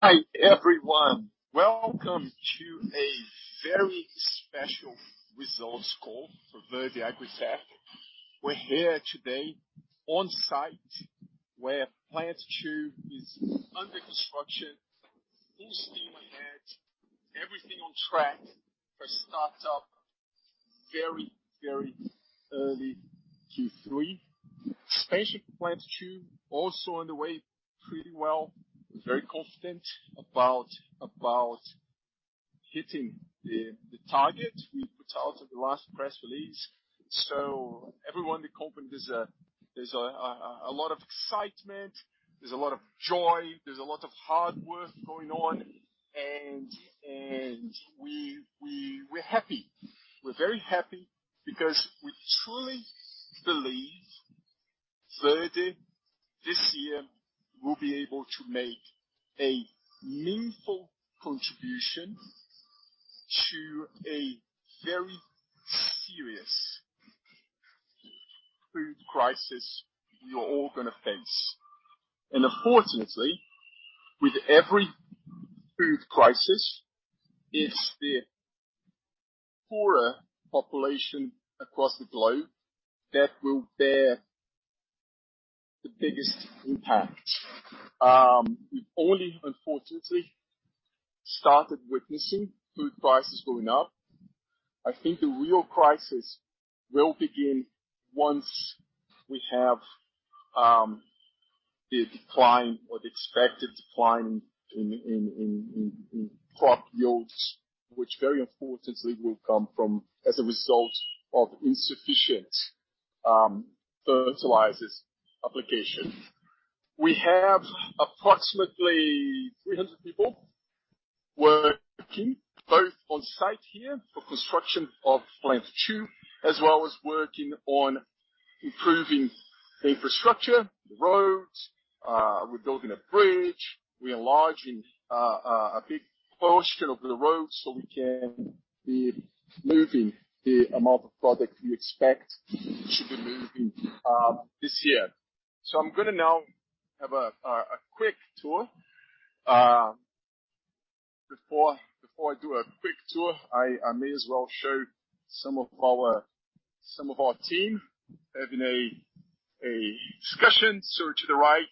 Hi, everyone. Welcome to a very special results call for Verde AgriTech. We're here today on site where Plant 2 is under construction, full steam ahead. Everything on track for start up very early Q3. Expansion Plant 2 also on the way pretty well. We're very confident about hitting the target we put out at the last press release. Everyone in the company, there's a lot of excitement, there's a lot of joy, there's a lot of hard work going on. We're happy. We're very happy because we truly believe Verde, this year, will be able to make a meaningful contribution to a very serious food crisis we are all gonna face. Unfortunately, with every food crisis, it's the poorer population across the globe that will bear the biggest impact. We've only unfortunately started witnessing food prices going up. I think the real crisis will begin once we have the decline or the expected decline in crop yields, which very importantly will come from as a result of insufficient fertilizers application. We have approximately 300 people working both on site here for construction of Plant 2, as well as working on improving the infrastructure, the roads. We're building a bridge. We're enlarging a big portion of the road so we can be moving the amount of product we expect to be moving this year. I'm gonna now have a quick tour. Before I do a quick tour, I may as well show some of our team having a discussion. To the right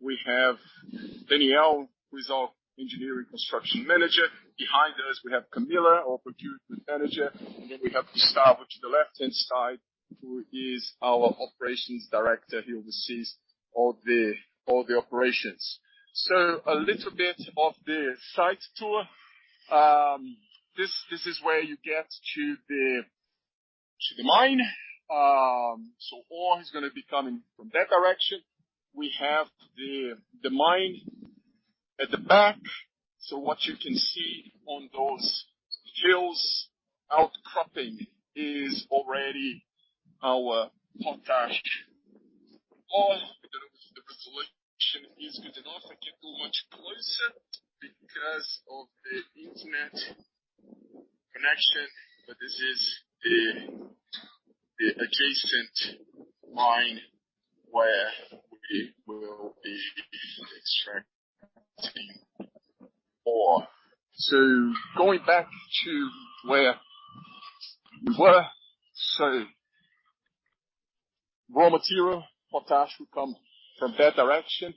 we have Daniel, who's our Engineering Construction Manager. Behind us we have Camilla, our Procurement Manager. We have Gustavo to the left-hand side, who is our Operations Director. He oversees all the operations. A little bit of the site tour. This is where you get to the mine. Ore is gonna be coming from that direction. We have the mine at the back. What you can see on those hills outcropping is already our potash ore. I don't know if the resolution is good enough. I can't go much closer because of the internet connection. This is the adjacent mine where we will be extracting ore. Going back to where we were. Raw material, potash will come from that direction.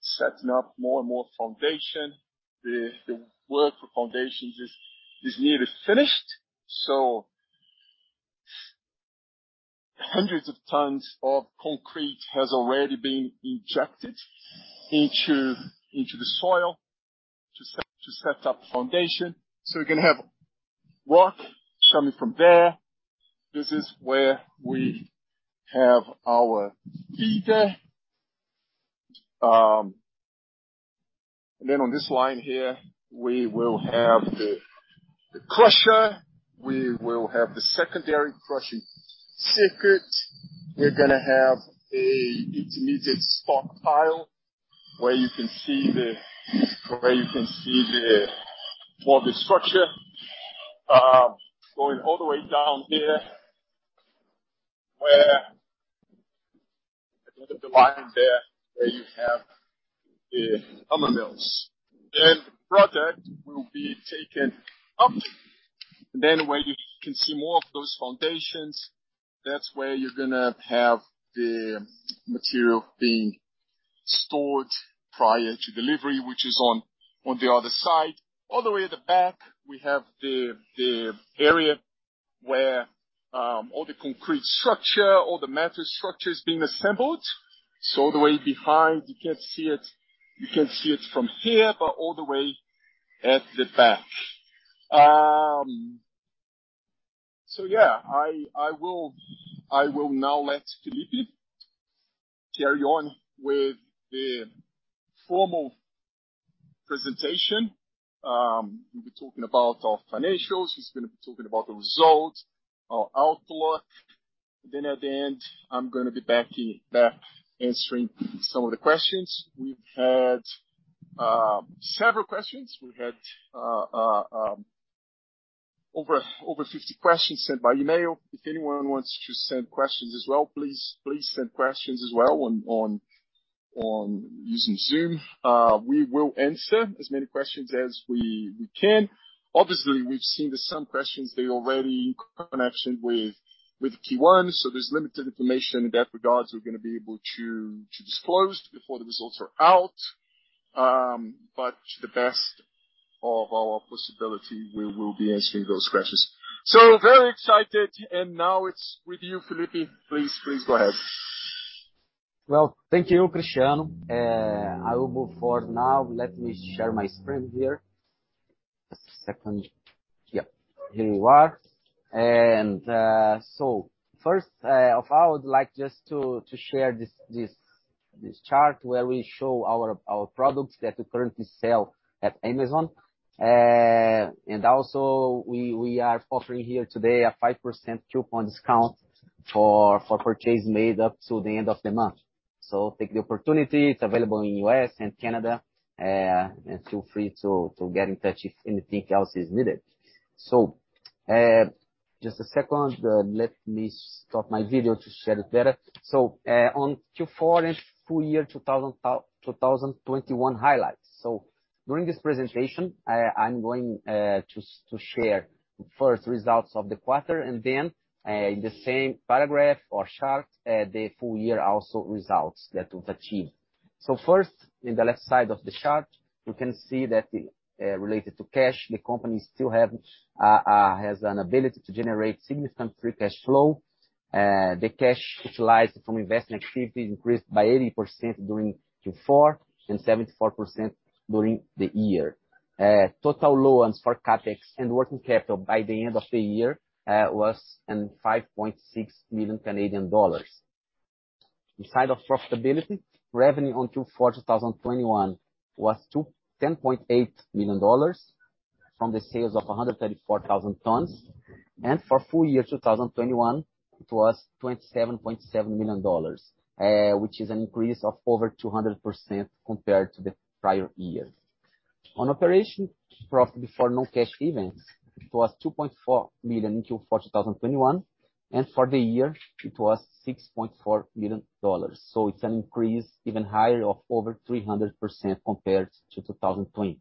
Setting up more and more foundation. The work for foundations is nearly finished. Hundreds of tons of concrete has already been injected into the soil to set up foundation. We're gonna have rock coming from there. This is where we have our feeder. Then on this line here, we will have the crusher. We will have the secondary crushing circuit. We're gonna have an intermediate stockpile where you can see the more of the structure going all the way down here where at the end of the line there where you have the hammer mills. Then the product will be taken up. Where you can see more of those foundations, that's where you're gonna have the material being stored prior to delivery, which is on the other side. All the way at the back, we have the area where all the concrete structure, all the metal structure is being assembled. All the way behind. You can't see it from here, but all the way at the back. I will now let Felipe carry on with the formal presentation. He'll be talking about our financials. He's gonna be talking about the results, our outlook. At the end, I'm gonna be back here answering some of the questions. We've had several questions. We've had over 50 questions sent by email. If anyone wants to send questions as well, please send questions as well on using Zoom. We will answer as many questions as we can. Obviously, we've seen that some questions that are already in connection with Q1, so there's limited information in that regard we're gonna be able to disclose before the results are out. To the best of our ability, we will be answering those questions. Very excited, and now it's with you, Felipe. Please go ahead. Well, thank you, Cristiano. I will move for now. Let me share my screen here. Just a second. Yep, here we are. First of all, I would like just to share this chart where we show our products that we currently sell at Amazon. Also we are offering here today a 5% coupon discount for purchase made up to the end of the month. Take the opportunity, it's available in U.S. and Canada, and feel free to get in touch if anything else is needed. Just a second, let me stop my video to share the data. On Q4 and full year 2021 highlights. During this presentation, I'm going to share first results of the quarter and then in the same paragraph or chart the full year also results that we've achieved. First, in the left side of the chart, you can see that related to cash, the company still has an ability to generate significant free cash flow. The cash utilized from investment activities increased by 80% during Q4 and 74% during the year. Total loans for CapEx and working capital by the end of the year was 5.6 million Canadian dollars. Inside of profitability, revenue on Q4 2021 was $10.8 million from the sales of 134,000 tons. For full year 2021, it was $27.7 million, which is an increase of over 200% compared to the prior year. On operating profit before non-cash events, it was $2.4 million in Q4 2021, and for the year, it was $6.4 million. It's an increase even higher of over 300% compared to 2020.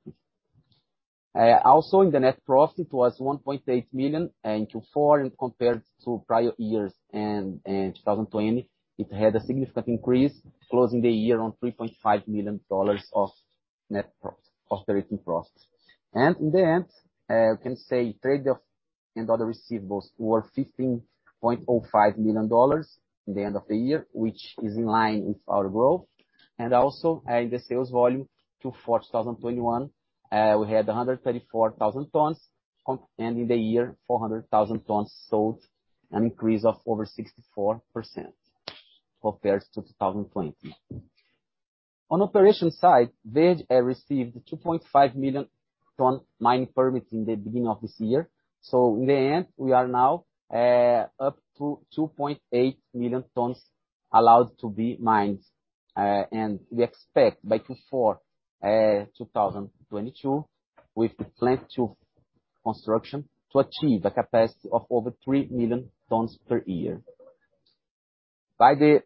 Also in the net profit, it was $1.8 million in Q4, and compared to prior years and 2020, it had a significant increase closing the year on $3.5 million of net profits, operating profits. In the end, you can say trade and other receivables were $15.05 million in the end of the year, which is in line with our growth. The sales volume to Q4 2021, we had 134,000 tons, and in the year, 400,000 tons sold, an increase of over 64% compared to 2020. On operations side, Verde received a 2.5 million-ton mining permit in the beginning of this year. In the end, we are now up to 2.8 million tons allowed to be mined. We expect by Q4 2022, with the Plant 2 construction, to achieve a capacity of over 3 million tons per year. By the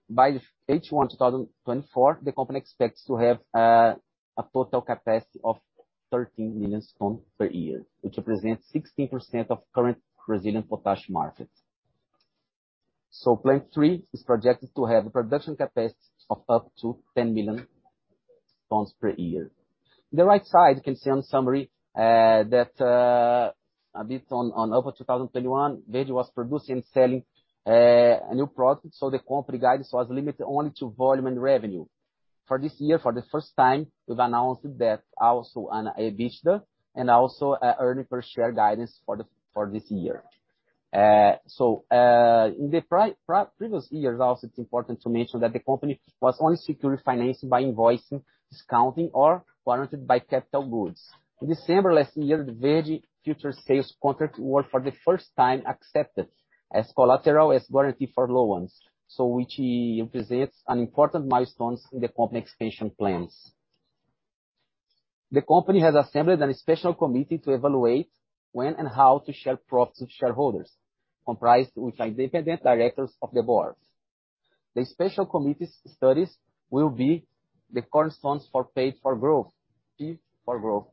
H1 2024, the company expects to have a total capacity of 13 million tons per year, which represents 16% of current Brazilian potash market. Plant 3 is projected to have a production capacity of up to 10 million tons per year. The right side, you can see in the summary, that back in 2021, Verde was producing and selling a new product, the company guidance was limited only to volume and revenue. For this year, for the first time, we've announced also an EBITDA and also an earnings per share guidance for this year. In the previous years also, it's important to mention that the company secured financing only by invoicing, discounting, or warranted by capital goods. In December last year, the Verde future sales contracts were for the first time accepted as collateral as warranty for loans. Which represents an important milestone in the company expansion plans. The company has assembled a special committee to evaluate when and how to share profits with shareholders, comprised of independent directors of the board. The special committee's studies will be the cornerstone for Paid for Growth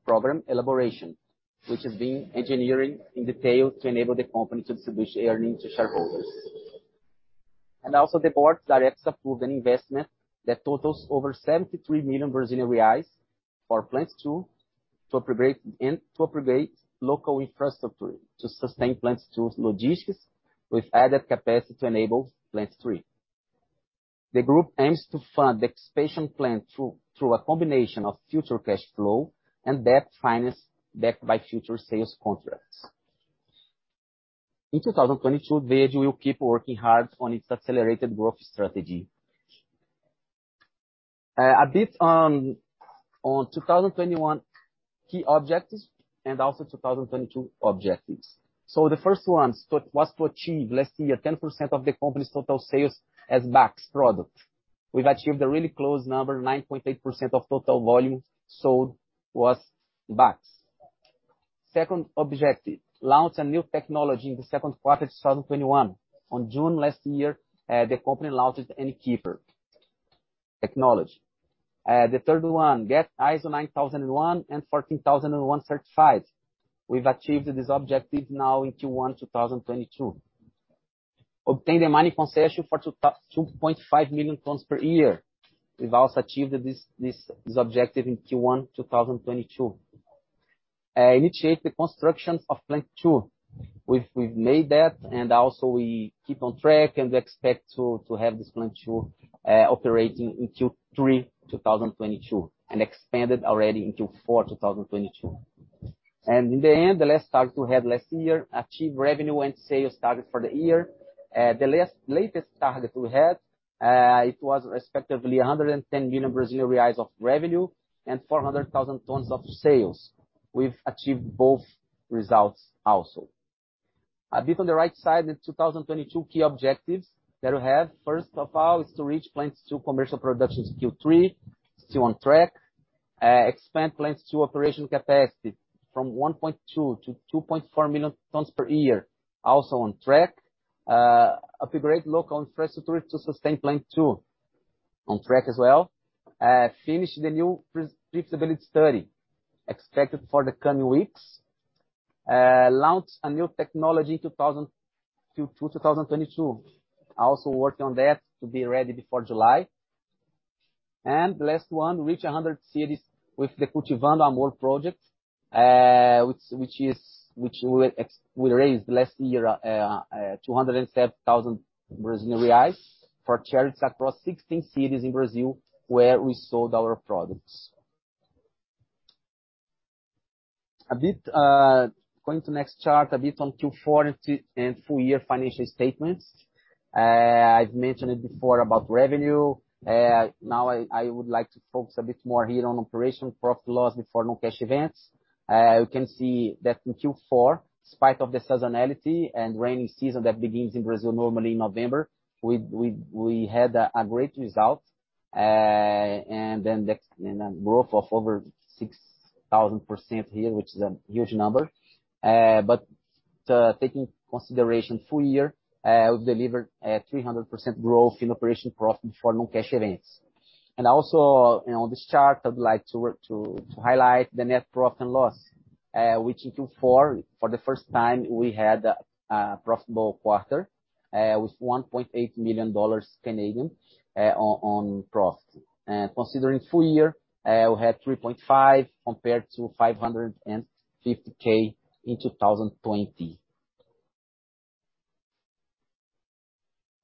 program elaboration, which is being engineered in detail to enable the company to distribute earnings to shareholders. The Board of Directors approved an investment that totals over 73 million Brazilian reais for Plant 2 to upgrade local infrastructure to sustain Plant 2's logistics with added capacity to enable Plant 3. The group aims to fund the expansion plan through a combination of future cash flow and debt finance backed by future sales contracts. In 2022, Verde will keep working hard on its accelerated growth strategy. A bit on 2021 key objectives and also 2022 objectives. The first one was to achieve last year 10% of the company's total sales as BAKS product. We've achieved a really close number, 9.8% of total volume sold was BAKS. Second objective, launch a new technology in the second quarter of 2021. On June last year, the company launched the N Keeper technology. The third one, get ISO 9001 and ISO 14001 certified. We've achieved this objective now in Q1 2022. Obtain the mining concession for 2.5 million tons per year. We've also achieved this objective in Q1 2022. Initiate the construction of plant two. We've made that, and also we keep on track and we expect to have this Plant 2 operating in Q3 2022, and expanded already in Q4 2022. In the end, the last target we had last year, achieve revenue and sales target for the year. The latest target we had, it was respectively 110 million Brazilian reais of revenue and 400,000 tons of sales. We've achieved both results also. A bit on the right side, the 2022 key objectives that we have, first of all, is to reach Plant 2 commercial production Q3, still on track. Expand Plant 2 operation capacity from 1.2 million-2.4 million tons per year, also on track. Upgrade local infrastructure to sustain Plant 2, on track as well. Finish the new pre-feasibility study, expected for the coming weeks. Launch a new technology 2022. Also working on that to be ready before July. Last one, reach 100 cities with the Cultivando Amor project, which we raised last year 207,000 Brazilian reais for charities across 16 cities in Brazil where we sold our products. A bit going to next chart, a bit on Q4 and full year financial statements. I've mentioned it before about revenue. Now I would like to focus a bit more here on operational profit loss before non-cash events. You can see that in Q4, despite the seasonality and rainy season that begins in Brazil normally in November, we had a great result, and then growth of over 6,000% here, which is a huge number. Taking into consideration the full year, we delivered a 300% growth in operational profit before non-cash events. Also, you know, this chart I'd like to highlight the net profit and loss, which in Q4 for the first time we had a profitable quarter, with 1.8 million dollars on profit. Considering the full year, we had 3.5 million compared to 550K in 2020.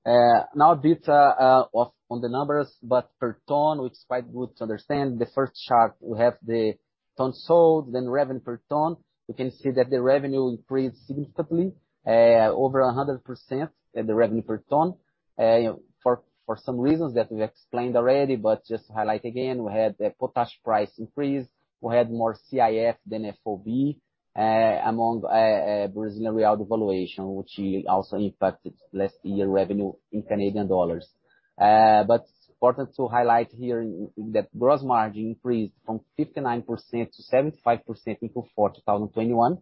Now a bit on the numbers, but per ton, which is quite good to understand. The first chart we have the tons sold, then revenue per ton. We can see that the revenue increased significantly over 100% in the revenue per ton. You know, for some reasons that we explained already, but just to highlight again, we had the potash price increase. We had more CIF than FOB among Brazilian real devaluation, which also impacted last year revenue in Canadian dollars. But important to highlight here in that gross margin increased from 59% to 75% in Q4 2021.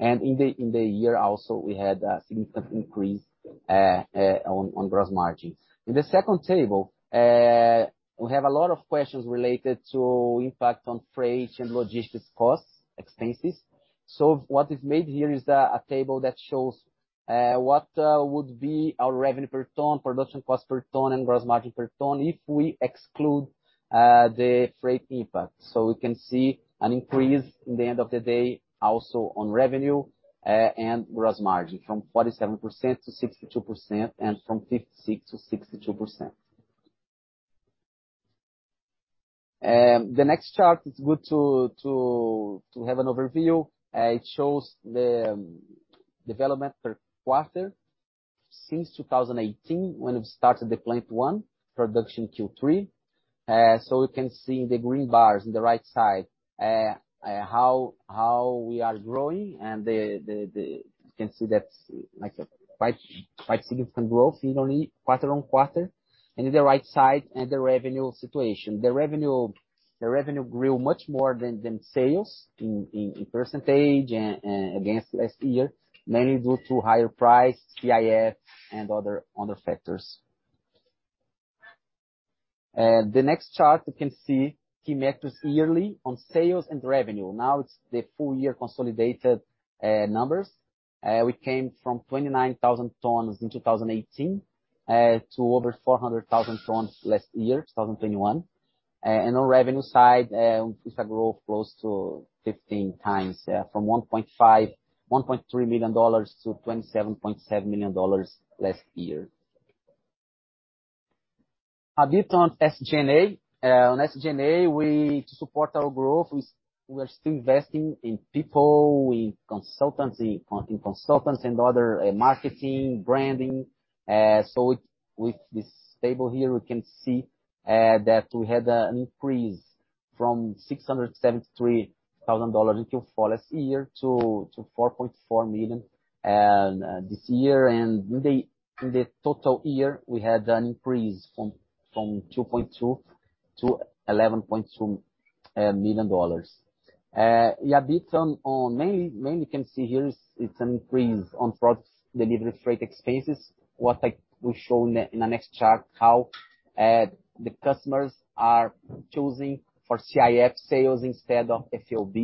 In the year also, we had a significant increase on gross margin. In the second table, we have a lot of questions related to impact on freight and logistics costs, expenses. What is made here is a table that shows what would be our revenue per ton, production cost per ton, and gross margin per ton if we exclude the freight impact. We can see an increase in the end of the day also on revenue and gross margin from 47%-62% and from 56%-62%. The next chart is good to have an overview. It shows the development per quarter since 2018 when we started the Plant 1 production Q3. We can see the green bars on the right side, how we are growing and the you can see that's like a quite significant growth yearly, quarter-over-quarter. In the right side are the revenue situation. The revenue grew much more than sales in percentage against last year, mainly due to higher price, CIF and other factors. The next chart you can see key metrics yearly on sales and revenue. Now it's the full year consolidated numbers. We came from 29,000 tons in 2018 to over 400,000 tons last year, 2021. On revenue side, it's a growth close to 15 times from $1.3 million to $27.7 million last year. A bit on SG&A. On SG&A, we support our growth. We are still investing in people, in consultancy, consultants and other marketing, branding. With this table here, we can see that we had an increase from $673,000 in Q4 last year to $4.4 million this year. In the total year we had an increase from $2.2 million to $11.2 million. Mainly you can see here is it's an increase on products delivered freight expenses. What I will show in the next chart how the customers are choosing for CIF sales instead of FOB.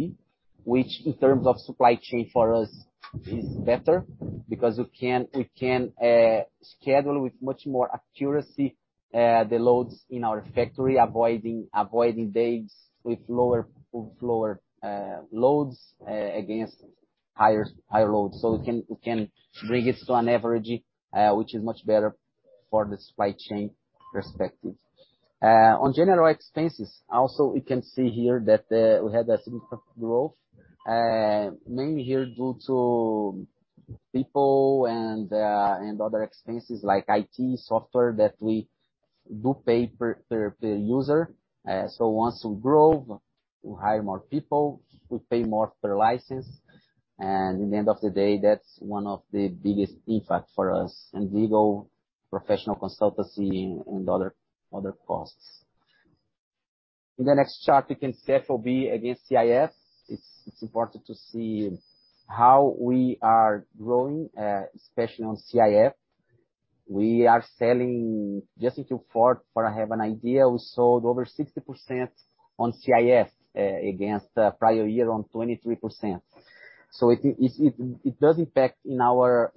Which in terms of supply chain for us is better because we can schedule with much more accuracy the loads in our factory, avoiding days with lower loads against higher loads. We can bring it to an average, which is much better for the supply chain perspective. On general expenses, also we can see here that we had a significant growth, mainly here due to people and other expenses like IT software that we do pay per user. Once we grow, we hire more people, we pay more for license, and in the end of the day, that's one of the biggest impact for us. Legal professional consultancy and other costs. In the next chart you can see FOB against CIF. It's important to see how we are growing, especially on CIF. We are selling just in Q4. I have an idea, we sold over 60% on CIF against prior year on 23%. So it does impact in our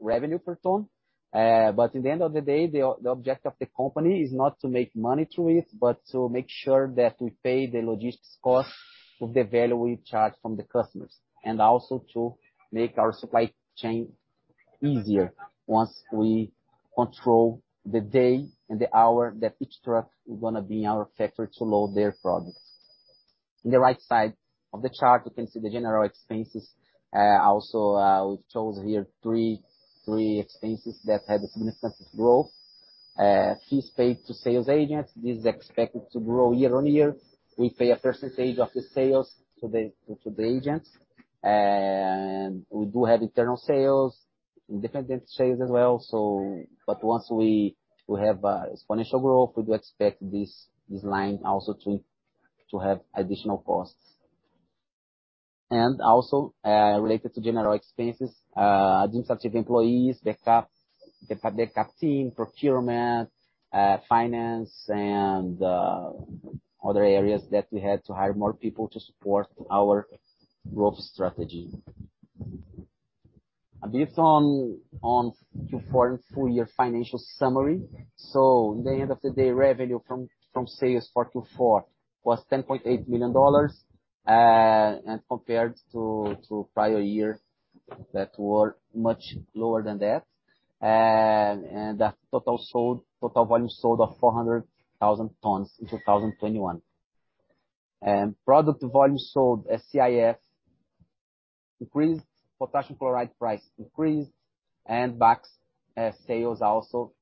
revenue per ton. But at the end of the day, the object of the company is not to make money through it, but to make sure that we pay the logistics costs with the value we charge from the customers. Also to make our supply chain easier once we control the day and the hour that each truck is gonna be in our factory to load their products. In the right side of the chart you can see the general expenses. Also, we chose here three expenses that had a significant growth. Fees paid to sales agents. This is expected to grow year-on-year. We pay a percentage of the sales to the agents. We do have internal sales, independent sales as well, so. Once we have exponential growth, we do expect this line also to have additional costs. Also, related to general expenses, administrative employees, the CapEx team, procurement, finance and other areas that we had to hire more people to support our growth strategy. A bit on Q4 and full year financial summary. At the end of the day, revenue from sales for Q4 was $10.8 million, and compared to prior years that were much lower than that. That's total volume sold of 400,000 tons in 2021. Product volume sold as CIF increased, potassium chloride price increased and BAKS sales also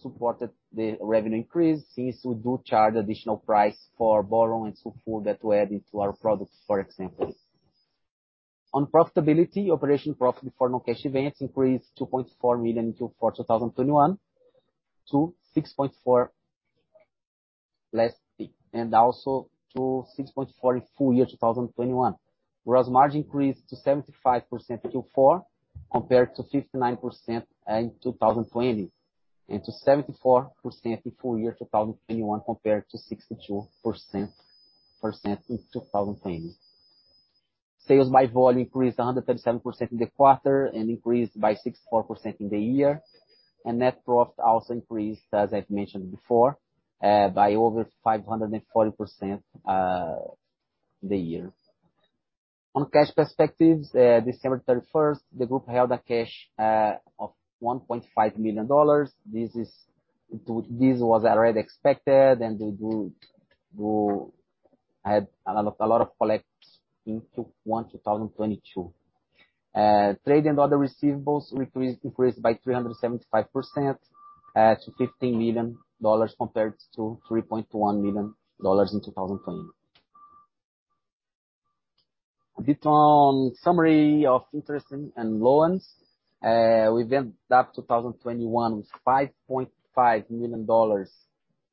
supported the revenue increase since we do charge additional price for blending and so forth that we added to our products, for example. On profitability, operational profit before non-cash events increased from $2.4 million in Q4 2021 to $6.4 million, and also to $6.4 million in full year 2021. Gross margin increased to 75% Q4 compared to 59% in 2020, and to 74% in full year 2021 compared to 62% in 2020. Sales by volume increased 137% in the quarter and increased by 64% in the year. Net profit also increased, as I've mentioned before, by over 540% in the year. On cash perspective, December 31st, the group held cash of $1.5 million. This was already expected, and they do have a lot of collections in 2022. Trade and other receivables increased by 375% to $15 million compared to $3.1 million in 2020. A bit on summary of interest and loans. We ended 2021 with $5.5 million on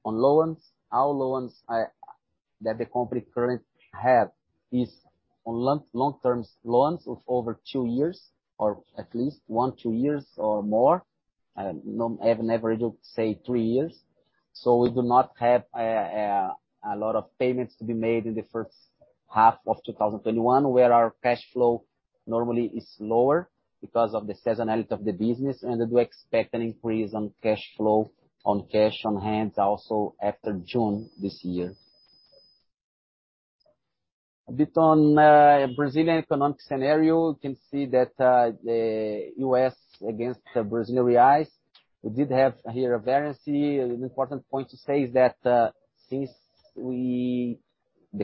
loans. Our loans are that the company currently has are long-term loans of over two years or at least one to two years or more. They have an average of, say, three years. We do not have a lot of payments to be made in the first half of 2021 where our cash flow normally is lower because of the seasonality of the business. We do expect an increase in cash flow and cash on hand also after June this year. A bit on Brazilian economic scenario. You can see that the U.S. dollar against the Brazilian real. We did have here a variance here. An important point to say is that since the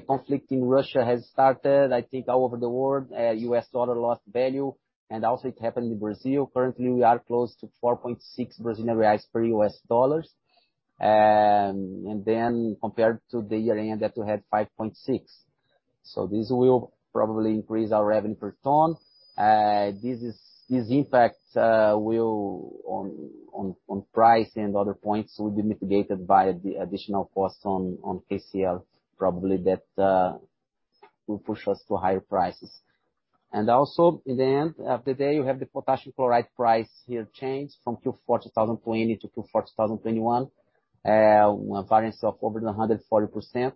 conflict in Russia has started, I think all over the world. U.S. dollar lost value, and also it happened in Brazil. Currently, we are close to 4.6 Brazilian reais per U.S. dollars. And then compared to the year-end that we had 5.6. This will probably increase our revenue per ton. This impact will on price and other points will be mitigated by the additional costs on KCl, probably that will push us to higher prices. Also, in the end of the day, you have the potassium chloride price here changed from Q4 2020 to Q4 2021. A variance of over 140%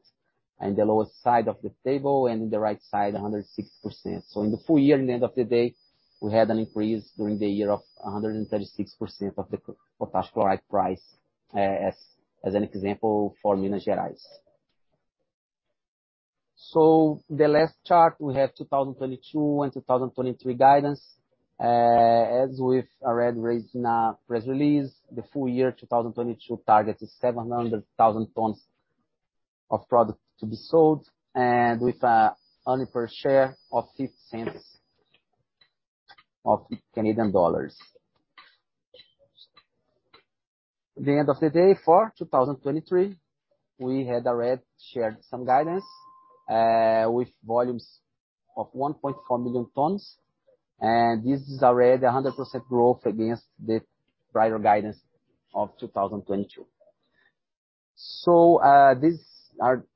in the lower side of the table, and in the right side, 160%. In the full year, in the end of the day, we had an increase during the year of 136% of the potassium chloride price, as an example for Minas Gerais. The last chart, we have 2022 and 2023 guidance. As we've already released in our press release, the full year 2022 target is 700,000 tons of product to be sold and earnings per share of CAD 0.50. At the end of the day, for 2023, we had already shared some guidance with volumes of 1.4 million tons, and this is already 100% growth against the prior guidance of 2022.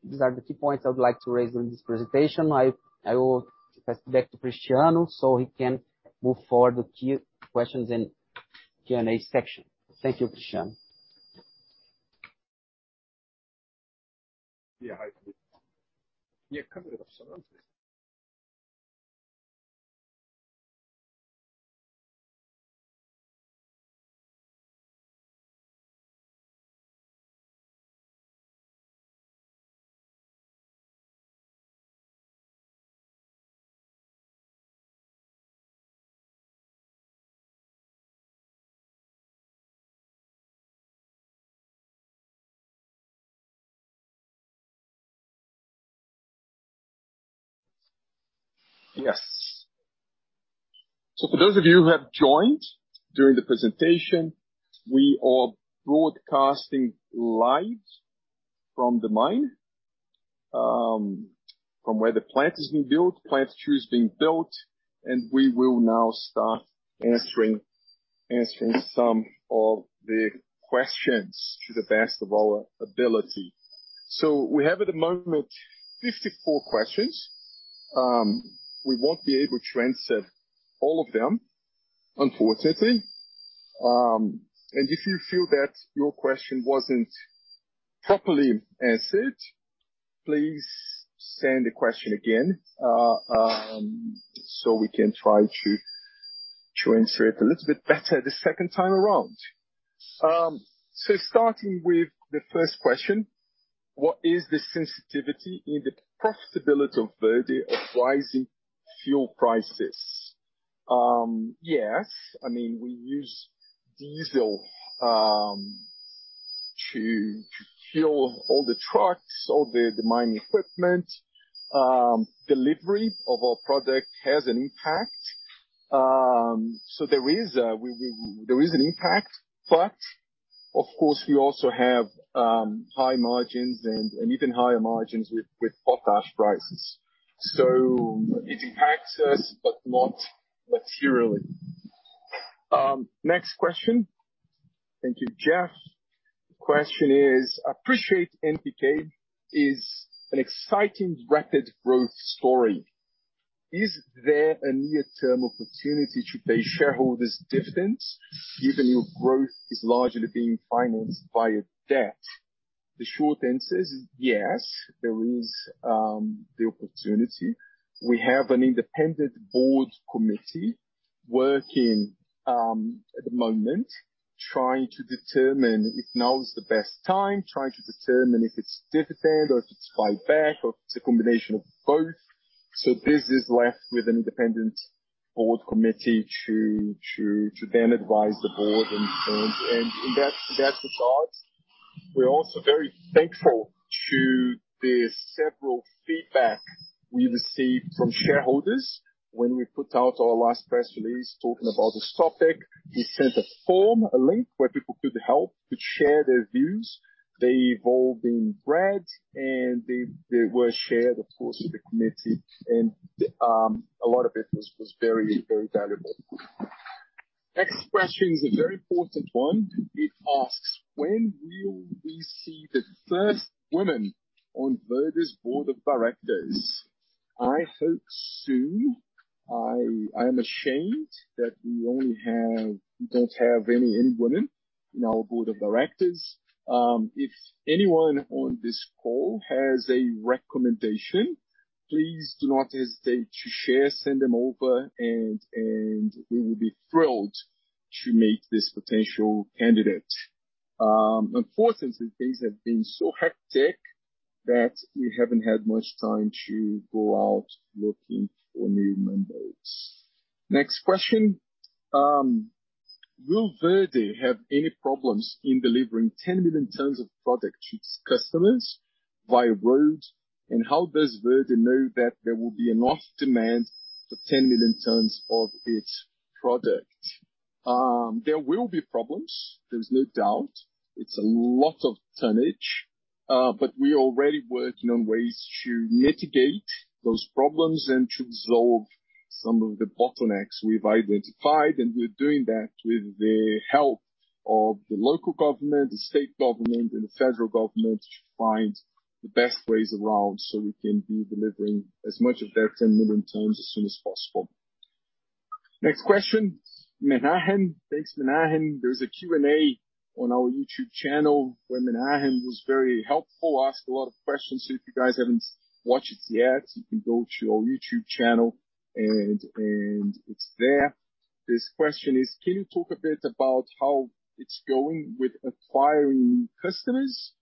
These are the key points I would like to raise in this presentation. I will pass it back to Cristiano so he can move forward with the questions in Q&A section. Thank you. Cristiano. Yeah. Hi. Yeah. Yes. For those of you who have joined during the presentation, we are broadcasting live from the mine, from where the plant is being built, Plant 2 is being built, and we will now start answering some of the questions to the best of our ability. We have at the moment 54 questions. We won't be able to answer all of them, unfortunately. If you feel that your question wasn't properly answered, please send the question again, so we can try to answer it a little bit better the second time around. Starting with the first question: What is the sensitivity in the profitability of Verde of rising fuel prices? Yes. I mean, we use diesel to fuel all the trucks, all the mining equipment. Delivery of our product has an impact. There is an impact, but of course, we also have high margins and even higher margins with potash prices. It impacts us, but not materially. Next question. Thank you, Jeff. The question is, I appreciate NPK is an exciting rapid growth story. Is there a near-term opportunity to pay shareholders dividends, given your growth is largely being financed via debt? The short answer is yes, there is the opportunity. We have an independent board committee working at the moment trying to determine if now is the best time, trying to determine if it's dividend or if it's buyback or if it's a combination of both. This is left with an independent board committee to then advise the board. In that regard, we're also very thankful to the several feedback we received from shareholders when we put out our last press release talking about this topic. We sent a form, a link where people could help to share their views. They've all been read and they were shared, of course, with the committee and a lot of it was very valuable. Next question is a very important one. It asks, "When will we see the first woman on Verde's Board of Directors?" I hope soon. I am ashamed that we don't have any women in our Board of Directors. If anyone on this call has a recommendation, please do not hesitate to share, send them over and we will be thrilled to meet this potential candidate. Unfortunately, things have been so hectic that we haven't had much time to go out looking for new members. Next question. Will Verde have any problems in delivering 10 million tons of product to its customers via road? And how does Verde know that there will be enough demand for 10 million tons of its product? There will be problems, there's no doubt. It's a lot of tonnage, but we're already working on ways to mitigate those problems and to resolve some of the bottlenecks we've identified. We're doing that with the help of the local government, the state government, and the federal government to find the best ways around, so we can be delivering as much of that 10 million tons as soon as possible. Next question. Menahem. Thanks, Menahem. There's a Q&A on our YouTube channel where Menahem was very helpful, asked a lot of questions. If you guys haven't watched it yet, you can go to our YouTube channel and it's there. This question is: Can you talk a bit about how it's going with acquiring customers?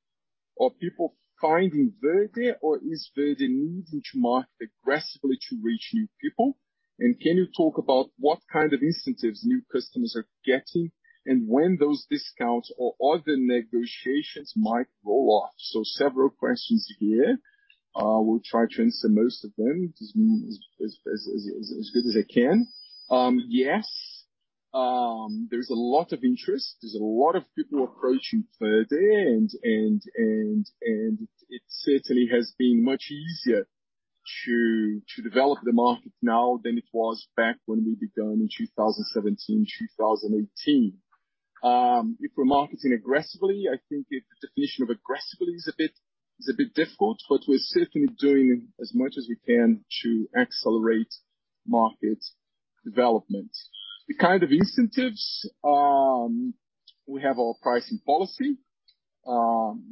Are people finding Verde or is Verde needing to market aggressively to reach new people? And can you talk about what kind of incentives new customers are getting, and when those discounts or other negotiations might roll off? Several questions here. We'll try to answer most of them as good as I can. Yes, there's a lot of interest. There's a lot of people approaching Verde and it certainly has been much easier to develop the market now than it was back when we began in 2017, 2018. If we're marketing aggressively, I think the definition of aggressively is a bit difficult, but we're certainly doing as much as we can to accelerate market development. The kind of incentives we have our pricing policy,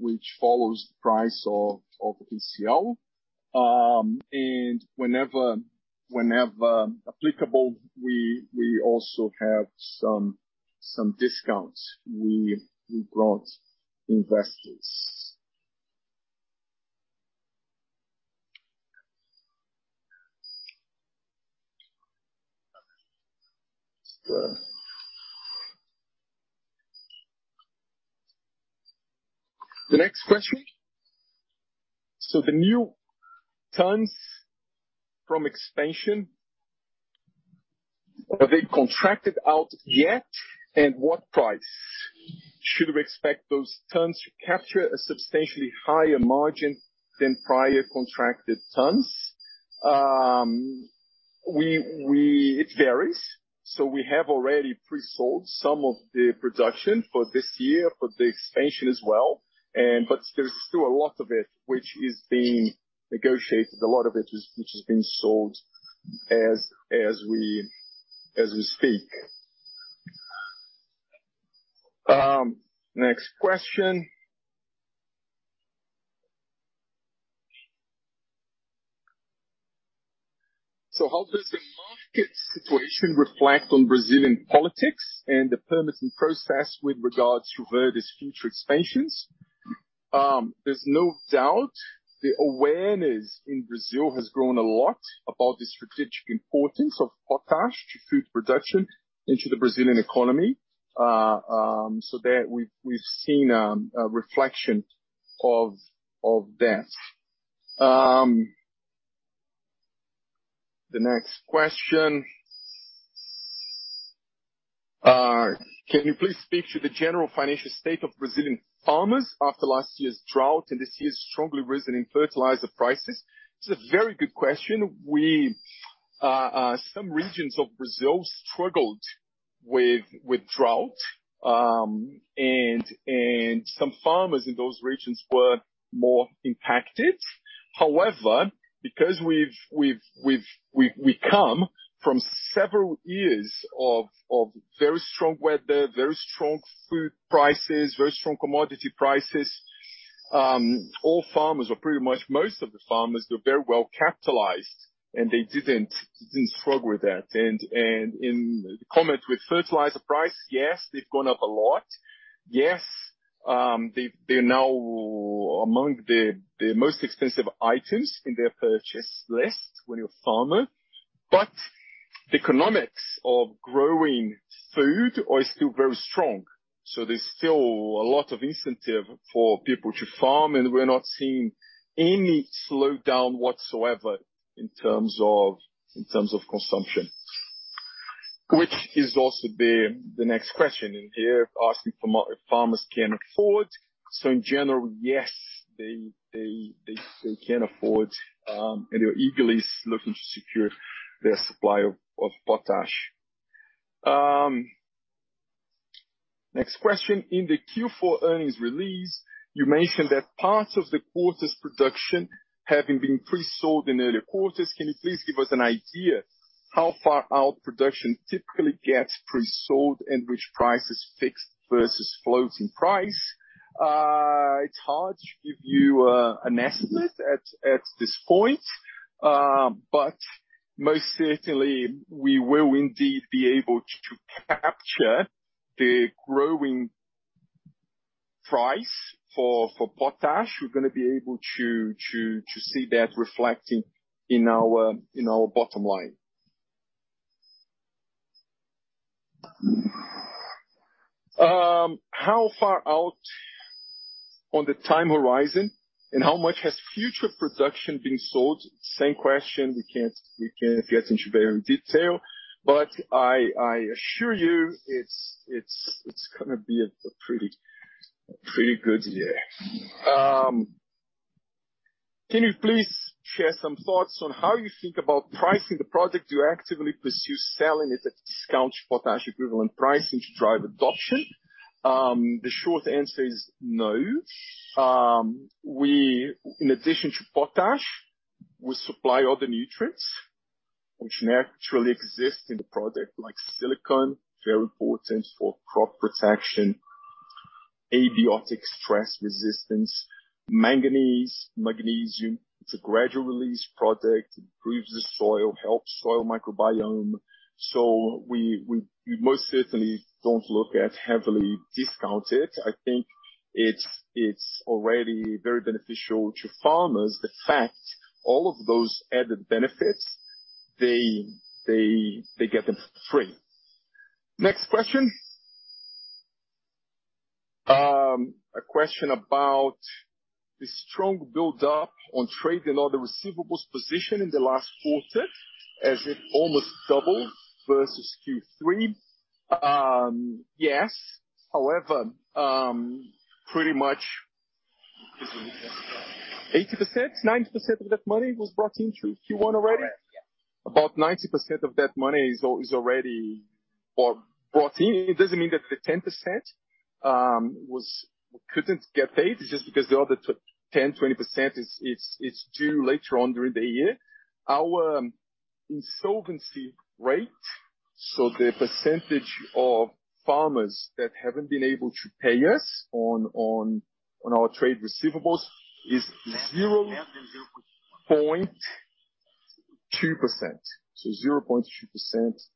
which follows the price of the KCl. And whenever applicable, we also have some discounts we grant investors. The next question. So the new tons from expansion, are they contracted out yet? And what price should we expect those tons to capture a substantially higher margin than prior contracted tons? It varies. We have already pre-sold some of the production for this year for the expansion as well, but there's still a lot of it which is being negotiated. A lot of it which is being sold as we speak. Next question. How does the market situation reflect on Brazilian politics and the permitting process with regards to Verde's future expansions? There's no doubt the awareness in Brazil has grown a lot about the strategic importance of potash to food production in the Brazilian economy. We've seen a reflection of that. The next question. Can you please speak to the general financial state of Brazilian farmers after last year's drought and this year's strong rise in fertilizer prices? It's a very good question. Some regions of Brazil struggled with drought, and some farmers in those regions were more impacted. However, because we've come from several years of very strong weather, very strong food prices, very strong commodity prices, all farmers are pretty much most of the farmers are very well capitalized, and they didn't struggle with that. In the context with fertilizer price, yes, they've gone up a lot. They're now among the most expensive items in their purchase list when you're a farmer. The economics of growing food are still very strong. There's still a lot of incentive for people to farm, and we're not seeing any slowdown whatsoever in terms of consumption. Which is also the next question in here, asking if farmers can afford. In general, yes, they can afford, and they're eagerly looking to secure their supply of potash. Next question. In the Q4 earnings release, you mentioned that parts of the quarter's production having been pre-sold in earlier quarters. Can you please give us an idea how far out production typically gets pre-sold and which price is fixed versus floating price? It's hard to give you an estimate at this point. But most certainly we will indeed be able to capture the growing price for potash. We're gonna be able to see that reflecting in our bottom line. How far out on the time horizon, and how much has future production been sold? Same question. We can't get into very much detail, but I assure you it's gonna be a pretty good year. Can you please share some thoughts on how you think about pricing the product. You actively pursue selling it at discounted potash equivalent pricing to drive adoption? The short answer is no. In addition to potash, we supply other nutrients which naturally exist in the product like silicon, very important for crop protection, abiotic stress resistance, manganese, magnesium. It's a gradual release product. It improves the soil, helps soil microbiome, so we most certainly don't look at heavily discounted. I think it's already very beneficial to farmers. The fact all of those added benefits, they get them for free. Next question. A question about the strong build-up on trade and other receivables position in the last quarter as it almost doubled versus Q3. Yes. However, pretty much 80%-90% of that money was brought into Q1 already. Correct, yeah. About 90% of that money is already or brought in. It doesn't mean that the 10% couldn't get paid. It's just because the other 10%-20% is due later on during the year. Our insolvency rate, so the percentage of farmers that haven't been able to pay us on our trade receivables is less than 0.2%. So 0.2%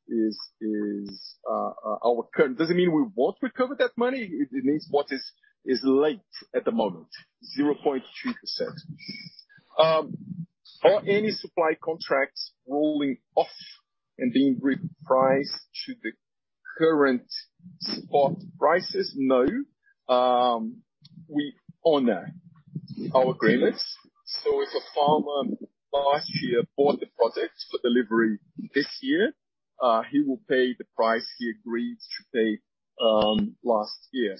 is our current. Doesn't mean we won't recover that money. It means what is late at the moment, 0.2%. Are any supply contracts rolling off and being repriced to the current spot prices? No, we honor our agreements, so if a farmer last year bought the product for delivery this year, he will pay the price he agreed to pay, last year.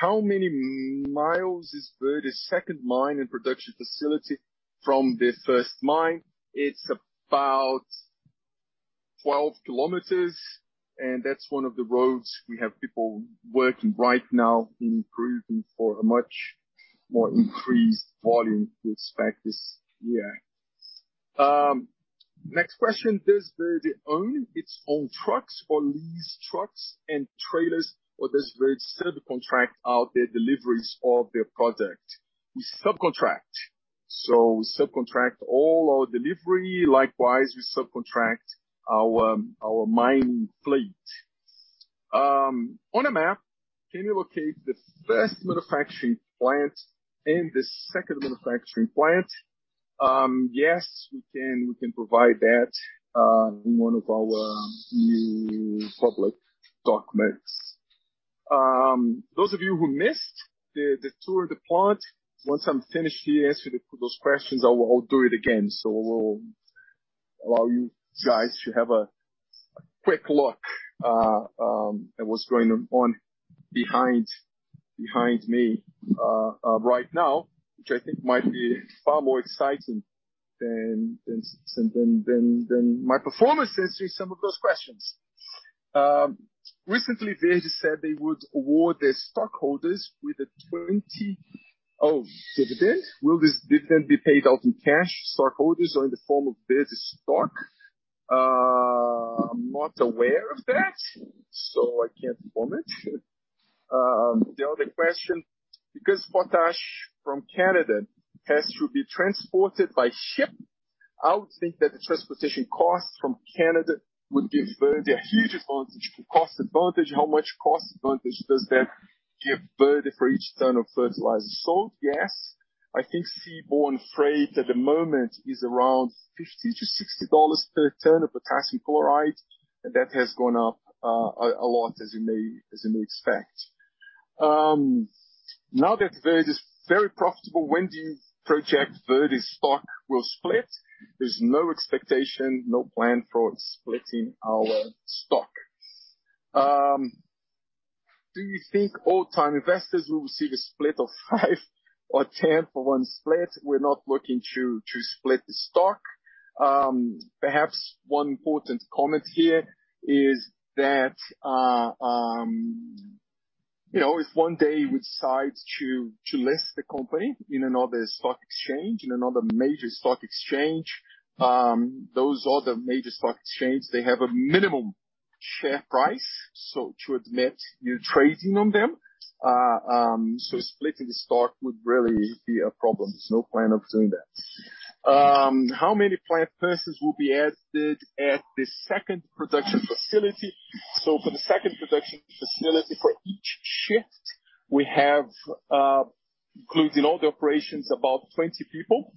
How many miles is Verde's second mine and production facility from the first mine? It's about 12 km, and that's one of the roads we have people working right now improving for a much more increased volume we expect this year. Next question. Does Verde own its own trucks or lease trucks and trailers, or does Verde subcontract out their deliveries of their product? We subcontract. So we subcontract all our delivery. Likewise, we subcontract our mine fleet. On a map, can you locate the first manufacturing plant and the second manufacturing plant? Yes, we can. We can provide that in one of our new public documents. Those of you who missed the tour of the plant, once I'm finished here answering those questions, I will do it again. We'll allow you guys to have a quick look at what's going on behind me right now, which I think might be far more exciting than my performances through some of those questions. Recently Verde said they would award their stockholders with a 20% dividend. Will this dividend be paid out in cash to stockholders or in the form of Verde stock? I'm not aware of that, so I can't comment. The other question, because potash from Canada has to be transported by ship, I would think that the transportation costs from Canada would give Verde a huge advantage, cost advantage. How much cost advantage does that give Verde for each ton of fertilizer sold? Yes. I think seaborne freight at the moment is around $50-$60 per ton of potassium chloride, and that has gone up a lot as you may expect. Now that Verde is very profitable, when do you project Verde's stock will split? There's no expectation, no plan for splitting our stock. Do you think old-time investors will receive a split of five or 10 for one split? We're not looking to split the stock. Perhaps one important comment here is that, you know, if one day we decide to list the company in another stock exchange, in another major stock exchange, those other major stock exchanges have a minimum share price, so to admit new trading on them, so splitting the stock would really be a problem. There's no plan of doing that. How many plant personnel will be added at the second production facility? For the second production facility, for each shift, we have, including all the operations, about 20 people.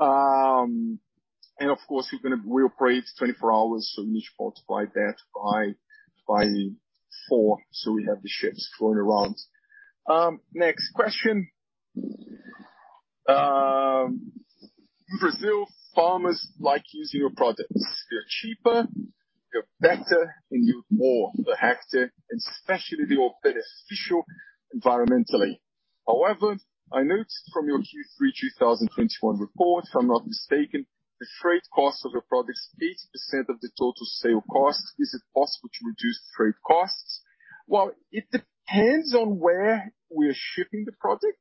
Of course, we operate 24 hours, so you just multiply that by four, so we have the shifts flowing around. Next question. In Brazil, farmers like using your products. They're cheaper, they're better, and yield more per hectare, especially they're beneficial environmentally. However, I noticed from your Q3 2021 report, if I'm not mistaken, the freight cost of your product is 80% of the total sale cost. Is it possible to reduce freight costs? Well, it depends on where we are shipping the product.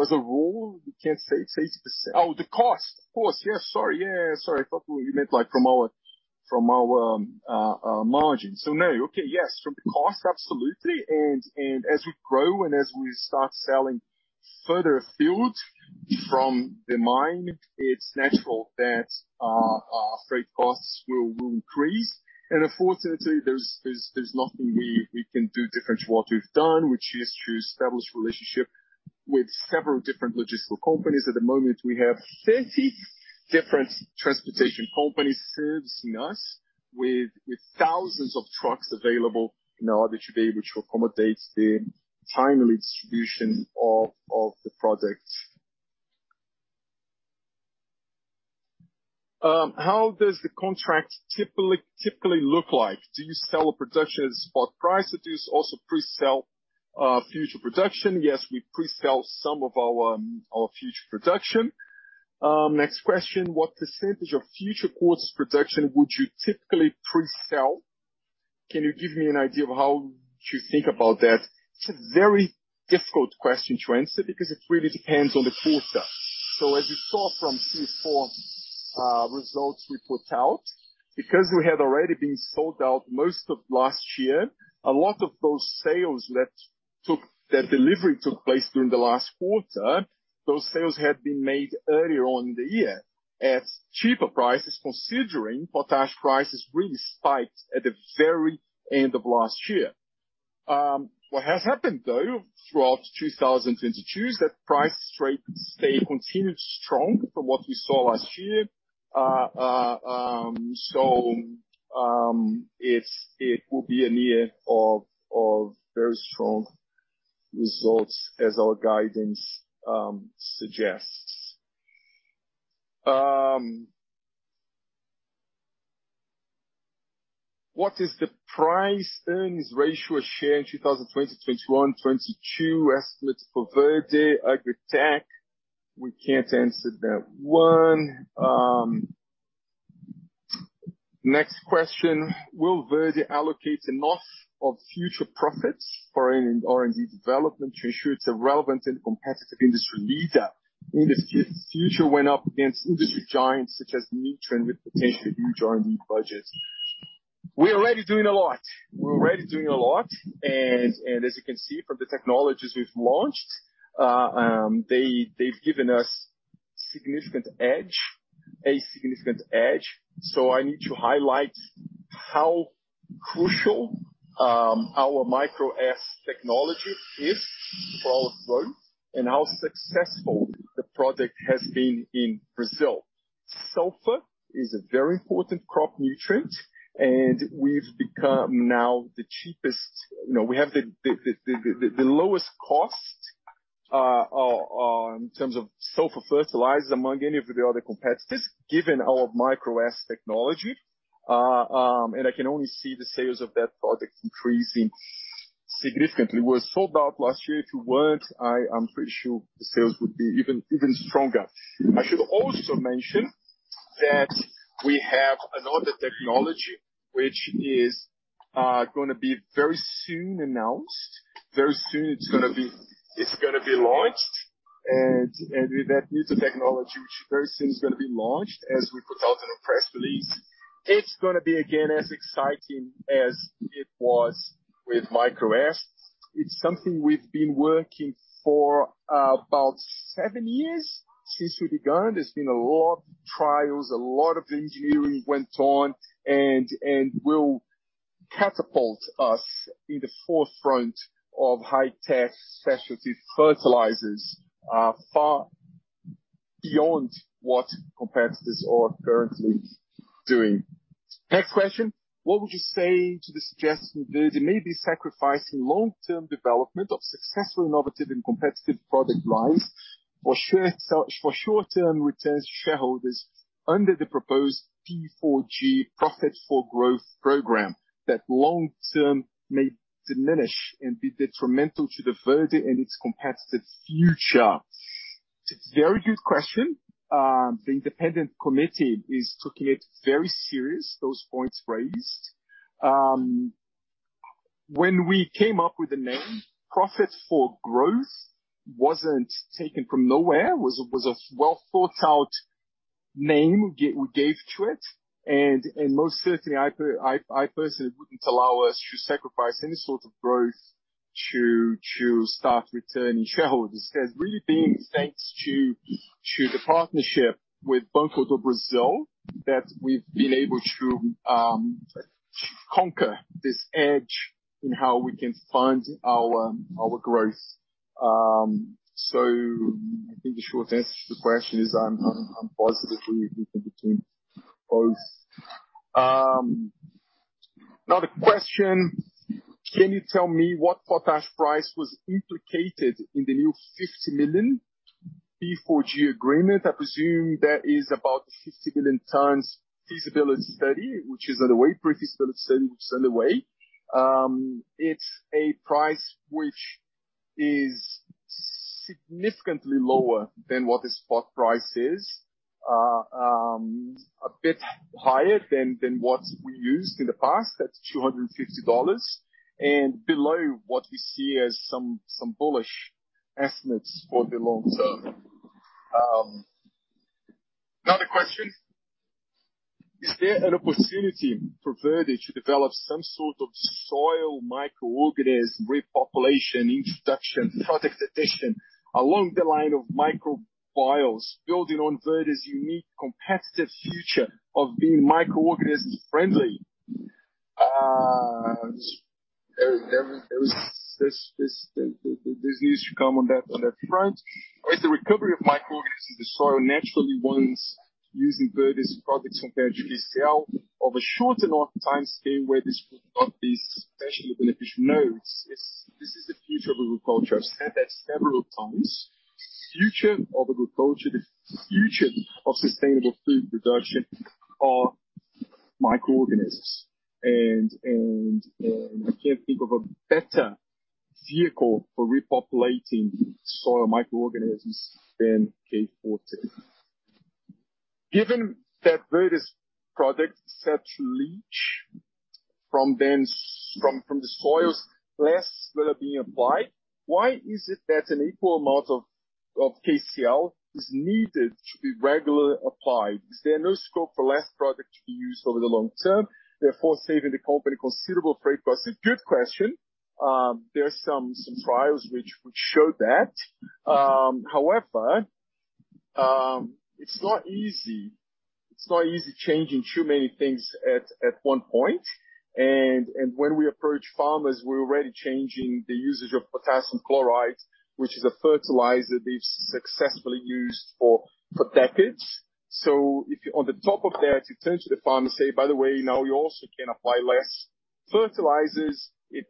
As a rule, we can't say 80%. Oh, the cost. Of course. Yes. Sorry. Yeah. Sorry. I thought what you meant like from our margin. No. Okay. Yes, from the cost, absolutely. As we grow and as we start selling further afield from the mine, it's natural that freight costs will increase. Unfortunately, there's nothing we can do different to what we've done, which is to establish relationship with several different logistical companies. At the moment, we have 30 different transportation companies servicing us with thousands of trucks available in order to be able to accommodate the timely distribution of the products. How does the contract typically look like? Do you sell a production spot price, or do you also pre-sell future production? Yes, we pre-sell some of our future production. Next question. What percentage of future quarters production would you typically pre-sell? Can you give me an idea of how to think about that? It's a very difficult question to answer because it really depends on the quarter. As you saw from Q4 results we put out, because we had already been sold out most of last year, a lot of those sales that delivery took place during the last quarter, those sales had been made earlier on in the year at cheaper prices, considering potash prices really spiked at the very end of last year. What has happened, though, throughout 2022 is that price strength continued strong from what we saw last year. It will be a year of very strong results as our guidance suggests. What is the price-earnings ratio per share in 2020, 2021, 2022 estimates for Verde AgriTech? We can't answer that one. Next question. Will Verde allocate enough of future profits for an R&D development to ensure it's a relevant and competitive industry leader in this capacity going up against industry giants such as Nutrien with potentially huge R&D budgets? We're already doing a lot. As you can see from the technologies we've launched, they've given us a significant edge. I need to highlight how crucial our Micro S technology is for our growth and how successful the product has been in Brazil. Sulfur is a very important crop nutrient, and we've become now the cheapest. You know, we have the lowest cost in terms of sulfur fertilizers among any of the other competitors, given our Micro S technology. I can only see the sales of that product increasing significantly. We're sold out last year. If you weren't, I'm pretty sure the sales would be even stronger. I should also mention that we have another technology which is gonna be very soon announced. Very soon, it's gonna be launched. With that new technology, which very soon is gonna be launched, as we put out in a press release, it's gonna be again as exciting as it was with Micro S. It's something we've been working for about seven years since we began. There's been a lot of trials, a lot of engineering went on, and will catapult us in the forefront of high-tech specialty fertilizers, far beyond what competitors are currently doing. Next question. What would you say to the suggestion Verde may be sacrificing long-term development of successful, innovative and competitive product lines for short-term returns to shareholders under the proposed P4G, Profit for Growth program that long-term may diminish and be detrimental to the Verde and its competitive future? It's a very good question. The independent committee is taking it very serious, those points raised. When we came up with the name, Profit for Growth wasn't taken from nowhere. It was a well-thought-out name we gave to it. Most certainly, I personally wouldn't allow us to sacrifice any sort of growth. To start returning to shareholders has really been thanks to the partnership with Banco do Brasil that we've been able to conquer this edge in how we can fund our growth. I think the short answer to the question is I'm positively looking between both. Another question. Can you tell me what potash price was implicated in the new 50 million P4G agreement? I presume that is about the 50 million tons pre-feasibility study, which is underway. It's a price which is significantly lower than what the spot price is. A bit higher than what we used in the past. That's $250. Below what we see as some bullish estimates for the long term. Another question. Is there an opportunity for Verde to develop some sort of soil microorganism repopulation, introduction, product addition along the line of microbiomes, building on Verde's unique competitive feature of being microorganism-friendly? This needs to come on that front. Or is the recovery of microorganisms in the soil naturally once using Verde's products compared to KCl over a short enough time scale where this would not be substantially beneficial? No. This is the future of agriculture. I've said that several times. The future of agriculture, the future of sustainable food production, are microorganisms. I can't think of a better vehicle for repopulating soil microorganisms than K Forte. Given that various products set to leach less from the soils than are being applied, why is it that an equal amount of KCl is needed to be regularly applied? Is there no scope for less product to be used over the long term, therefore saving the company considerable freight costs? It's a good question. There are some trials which would show that. However, it's not easy changing too many things at one point. When we approach farmers, we're already changing the usage of potassium chloride, which is a fertilizer they've successfully used for decades. If on top of that, you turn to the farmer and say, "By the way, now you also can apply less fertilizers," it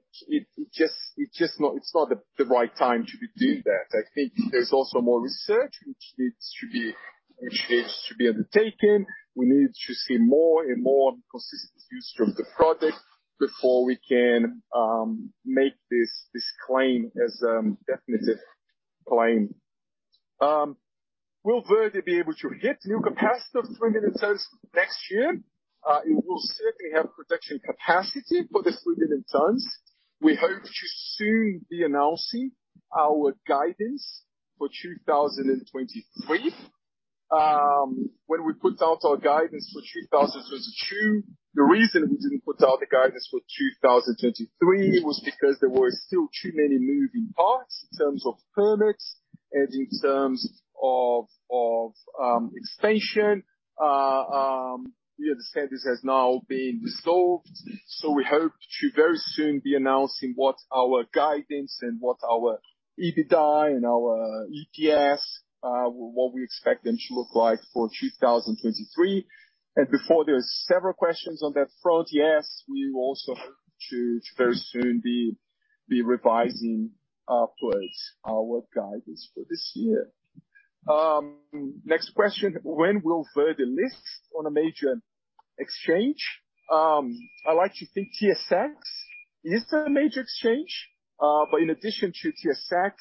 just isn't the right time to be doing that. I think there's also more research which needs to be undertaken. We need to see more consistent use from the product before we can make this claim as a definitive claim. Will Verde be able to hit new capacity of 3 million tons next year? It will certainly have production capacity for the 3 million tons. We hope to soon be announcing our guidance for 2023. When we put out our guidance for 2022, the reason we didn't put out the guidance for 2023 was because there were still too many moving parts in terms of permits and in terms of expansion. We understand this has now been resolved, so we hope to very soon be announcing what our guidance and what our EBITDA and our EPS what we expect them to look like for 2023. Before, there's several questions on that front, yes, we also hope to very soon be revising upwards our guidance for this year. Next question. When will Verde list on a major exchange? I like to think TSX is a major exchange. But in addition to TSX,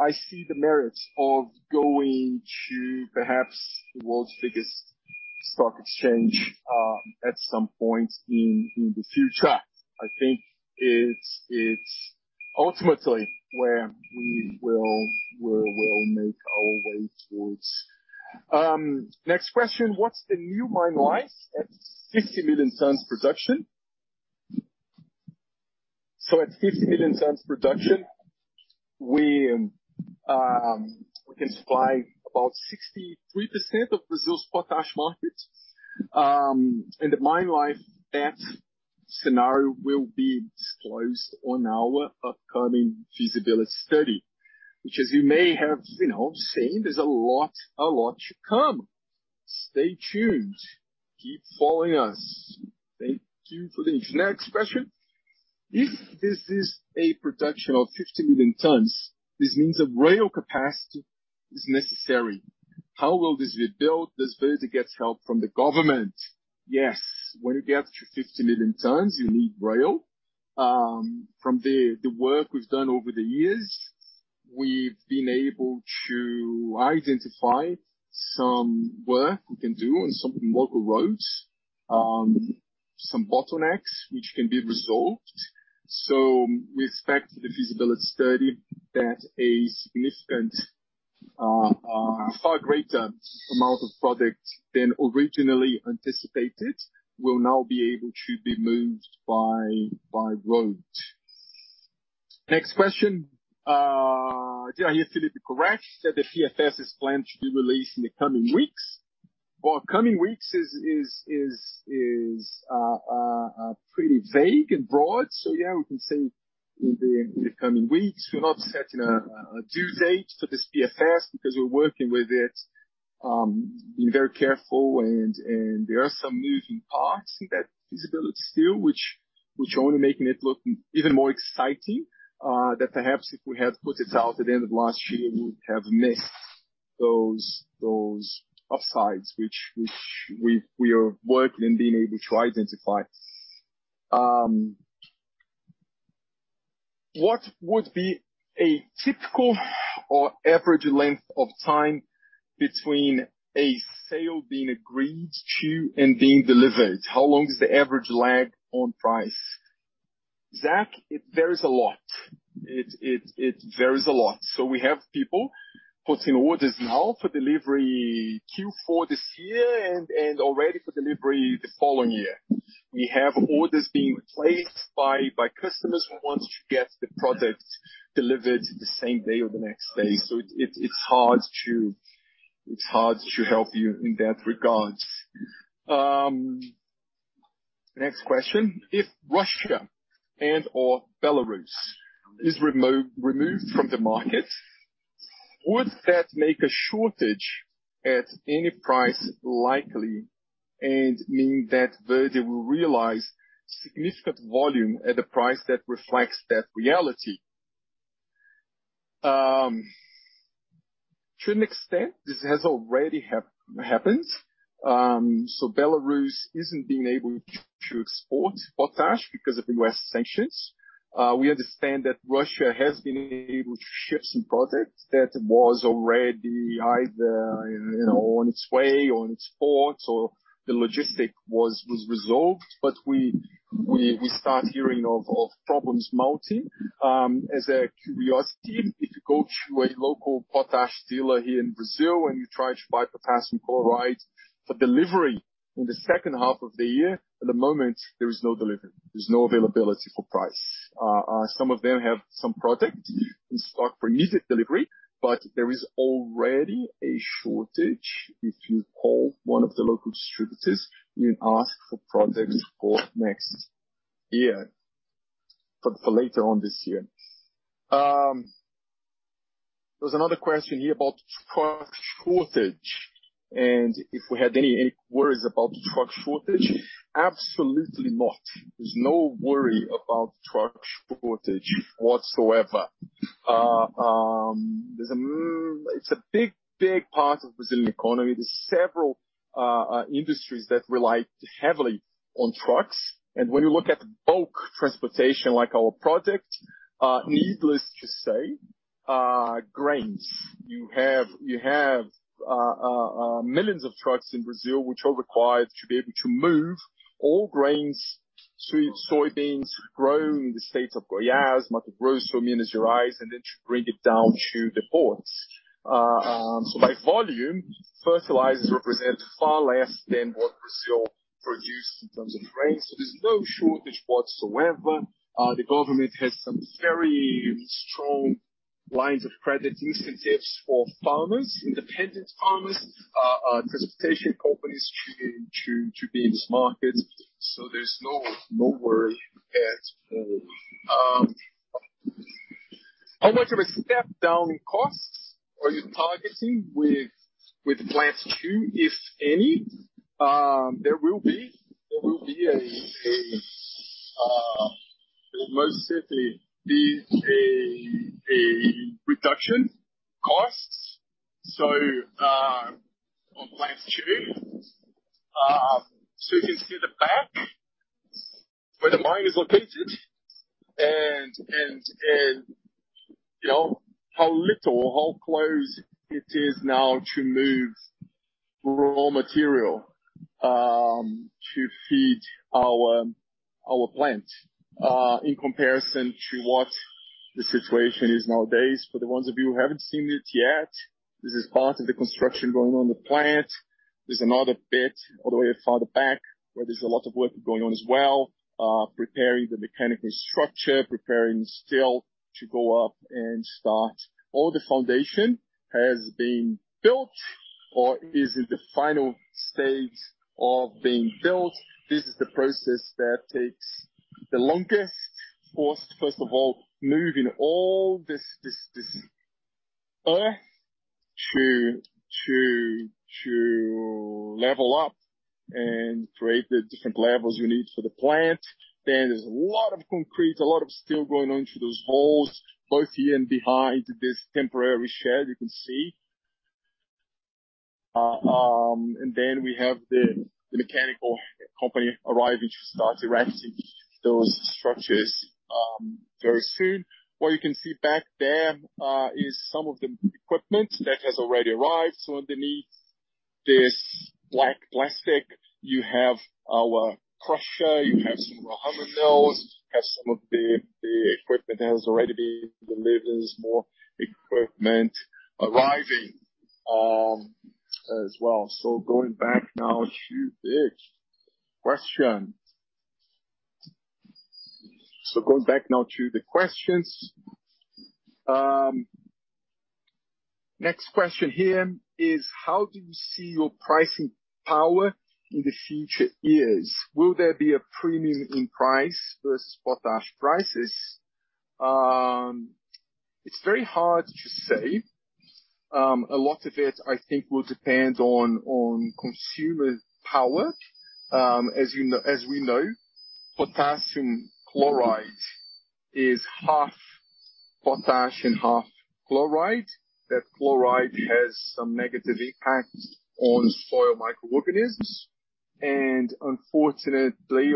I see the merits of going to perhaps the world's biggest stock exchange, at some point in the future. I think it's ultimately where we will make our way towards. Next question. What's the new mine life at 60 million tons production? So at 60 million tons production, we can supply about 63% of Brazil's potash markets. The mine life, that scenario will be disclosed on our upcoming feasibility study, which as you may have you know seen, there's a lot to come. Stay tuned. Keep following us. Thank you for the interest. Next question. If this is a production of 50 million tons, this means a rail capacity is necessary. How will this be built? Does Verde get help from the government? Yes. When you get to 50 million tons, you need rail. From the work we've done over the years, we've been able to identify some work we can do on some local roads, some bottlenecks which can be resolved. We expect the feasibility study far greater amount of product than originally anticipated will now be able to be moved by road. Next question. Did I hear Felipe correct that the PFS is planned to be released in the coming weeks? Well, coming weeks is pretty vague and broad, so yeah, we can say in the coming weeks. We're not setting a due date for this PFS because we're working with it, being very careful and there are some moving parts in that feasibility still, which only making it look even more exciting, that perhaps if we had put it out at the end of last year, we would have missed those upsides which we are working and being able to identify. What would be a typical or average length of time between a sale being agreed to and being delivered? How long is the average lag on price? Zach, it varies a lot. It varies a lot. We have people putting orders now for delivery Q4 this year and already for delivery the following year. We have orders being placed by customers who want to get the product delivered the same day or the next day. It's hard to help you in that regard. Next question. If Russia and/or Belarus is removed from the market, would that make a shortage at any price likely, and mean that Verde will realize significant volume at a price that reflects that reality? To an extent this has already happened. Belarus isn't being able to export potash because of the U.S. sanctions. We understand that Russia has been able to ship some products that was already either, you know, on its way or in its ports or the logistics was resolved, but we start hearing of problems mounting. As a curiosity, if you go to a local potash dealer here in Brazil and you try to buy potassium chloride for delivery in the second half of the year, at the moment, there is no delivery. There's no availability for price. Some of them have some product in stock for immediate delivery, but there is already a shortage if you call one of the local distributors and ask for product for next year, for later on this year. There's another question here about truck shortage, and if we had any worries about truck shortage. Absolutely not. There's no worry about truck shortage whatsoever. It's a big part of Brazilian economy. There's several industries that rely heavily on trucks. When you look at bulk transportation like our product, needless to say, grains. You have millions of trucks in Brazil which are required to be able to move all grains, soybeans grown in the states of Goiás, Mato Grosso, Minas Gerais, and then to bring it down to the ports. By volume, fertilizers represent far less than what Brazil produces in terms of grains. There's no shortage whatsoever. The government has some very strong lines of credit incentives for farmers, independent farmers, transportation companies to be in this market. There's no worry at all. How much of a step down costs are you targeting with Plant 2, if any? There will be, most certainly, a reduction costs. On Plant 2, so you can see the back where the mine is located and, you know, how little or how close it is now to move raw material, to feed our plant, in comparison to what the situation is nowadays. For the ones of you who haven't seen it yet, this is part of the construction going on in the plant. There's another bit all the way farther back where there's a lot of work going on as well, preparing the mechanical structure, preparing steel to go up and start. All the foundation has been built or is in the final stage of being built. This is the process that takes the longest. First of all, moving all this earth to level up and create the different levels we need for the plant. There's a lot of concrete, a lot of steel going on through those holes, both here and behind this temporary shed you can see. We have the mechanical company arriving to start erecting those structures very soon. What you can see back there is some of the equipment that has already arrived. Underneath this black plastic, you have our crusher, you have some hammer mills, you have some of the equipment that has already been delivered. There's more equipment arriving as well. Going back now to the questions, next question here is: How do you see your pricing power in the future years? Will there be a premium in price versus potash prices? It's very hard to say. A lot of it, I think, will depend on consumer power. As we know, potassium chloride is half potash and half chloride. That chloride has some negative impact on soil microorganisms. Unfortunately,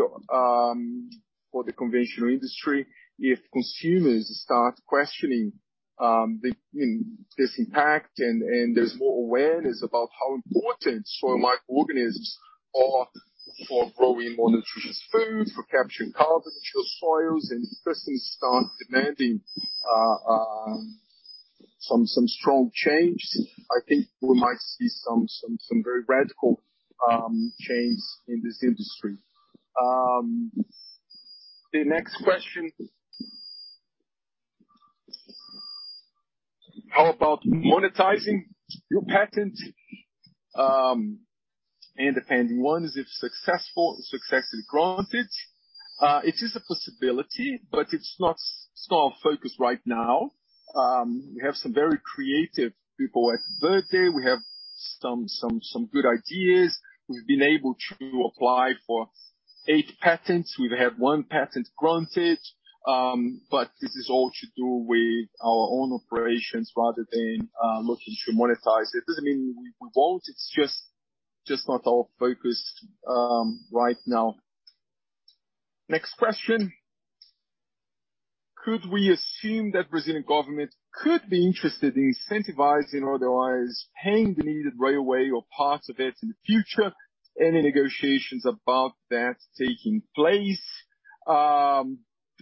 for the conventional industry, if consumers start questioning, you know, this impact and there's more awareness about how important soil microorganisms are for growing more nutritious food, for capturing carbon into your soils, and if persons start demanding some strong changes, I think we might see some very radical changes in this industry. The next question. How about monetizing your patent and the pending ones, if successful and successfully granted? It is a possibility, but it's not our focus right now. We have some very creative people at Verde. We have some good ideas. We've been able to apply for eight patents. We've had one patent granted, but this is all to do with our own operations rather than looking to monetize. It doesn't mean we won't, it's just not our focus right now. Next question: Could we assume that Brazilian government could be interested in incentivizing or otherwise paying the needed railway or parts of it in the future? Any negotiations about that taking place? The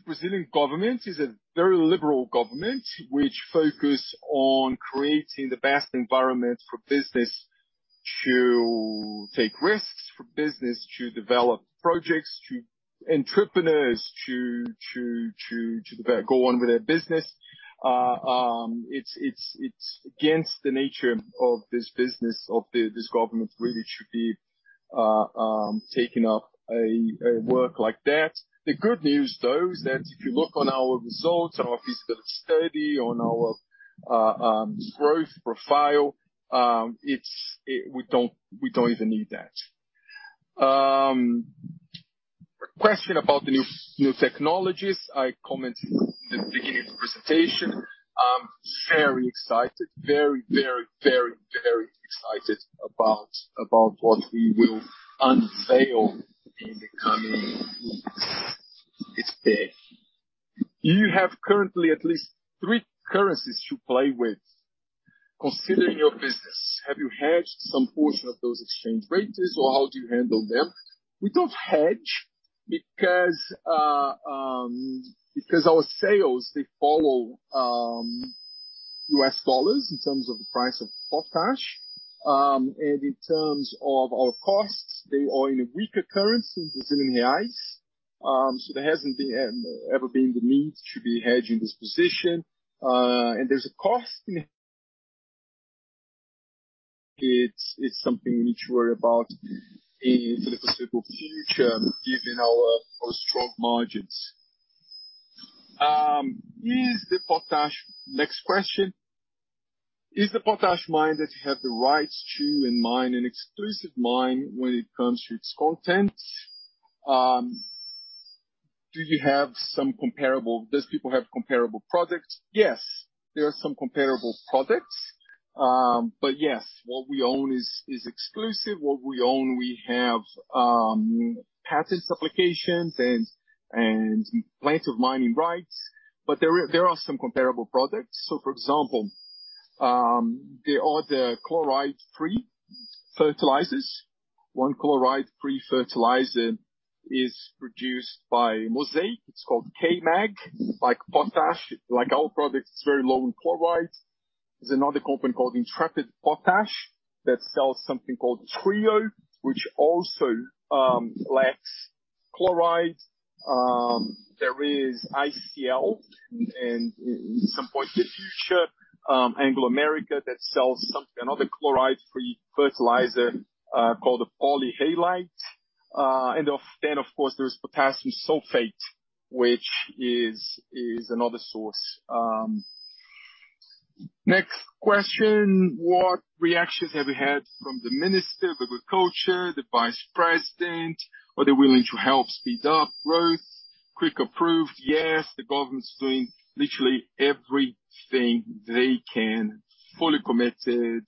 Brazilian government is a very liberal government which focus on creating the best environment for business to take risks, for business to develop projects, to entrepreneurs to go on with their business. It's against the nature of this business, of this government really to be taking up a work like that. The good news, though, is that if you look on our results, our feasibility study on our growth profile, we don't even need that. Question about the new technologies. I commented at the beginning of the presentation. I'm very excited about what we will unveil in the coming weeks. It's big. You have currently at least three currencies to play with. Considering your business, have you hedged some portion of those exchange rates, or how do you handle them? We don't hedge because our sales they follow U.S. dollars in terms of the price of potash. And in terms of our costs, they are in a weaker currency, the Brazilian reais. So there hasn't ever been the need to hedge this position. There's a cost. It's something we need to worry about in the foreseeable future, given our strong margins. Next question: Is the potash mine that you have the rights to and the mine an exclusive mine when it comes to its content? Do people have comparable products? Yes, there are some comparable products. But yes, what we own is exclusive. What we own, we have patent applications and plenty of mining rights. But there are some comparable products. For example, there are the chloride-free fertilizers. One chloride-free fertilizer is produced by Mosaic. It's called K-Mag. Like potash, like our products, it's very low in chloride. There's another company called Intrepid Potash that sells something called Trio, which also lacks chloride. There is ICL and, at some point in the future, Anglo American that sells something, another chloride-free fertilizer, called the polyhalite. Then, of course, there's potassium sulfate, which is another source. Next question: What reactions have you had from the Minister of Agriculture, the Vice President? Are they willing to help speed up growth, quick approved? Yes, the government's doing literally everything they can, fully committed,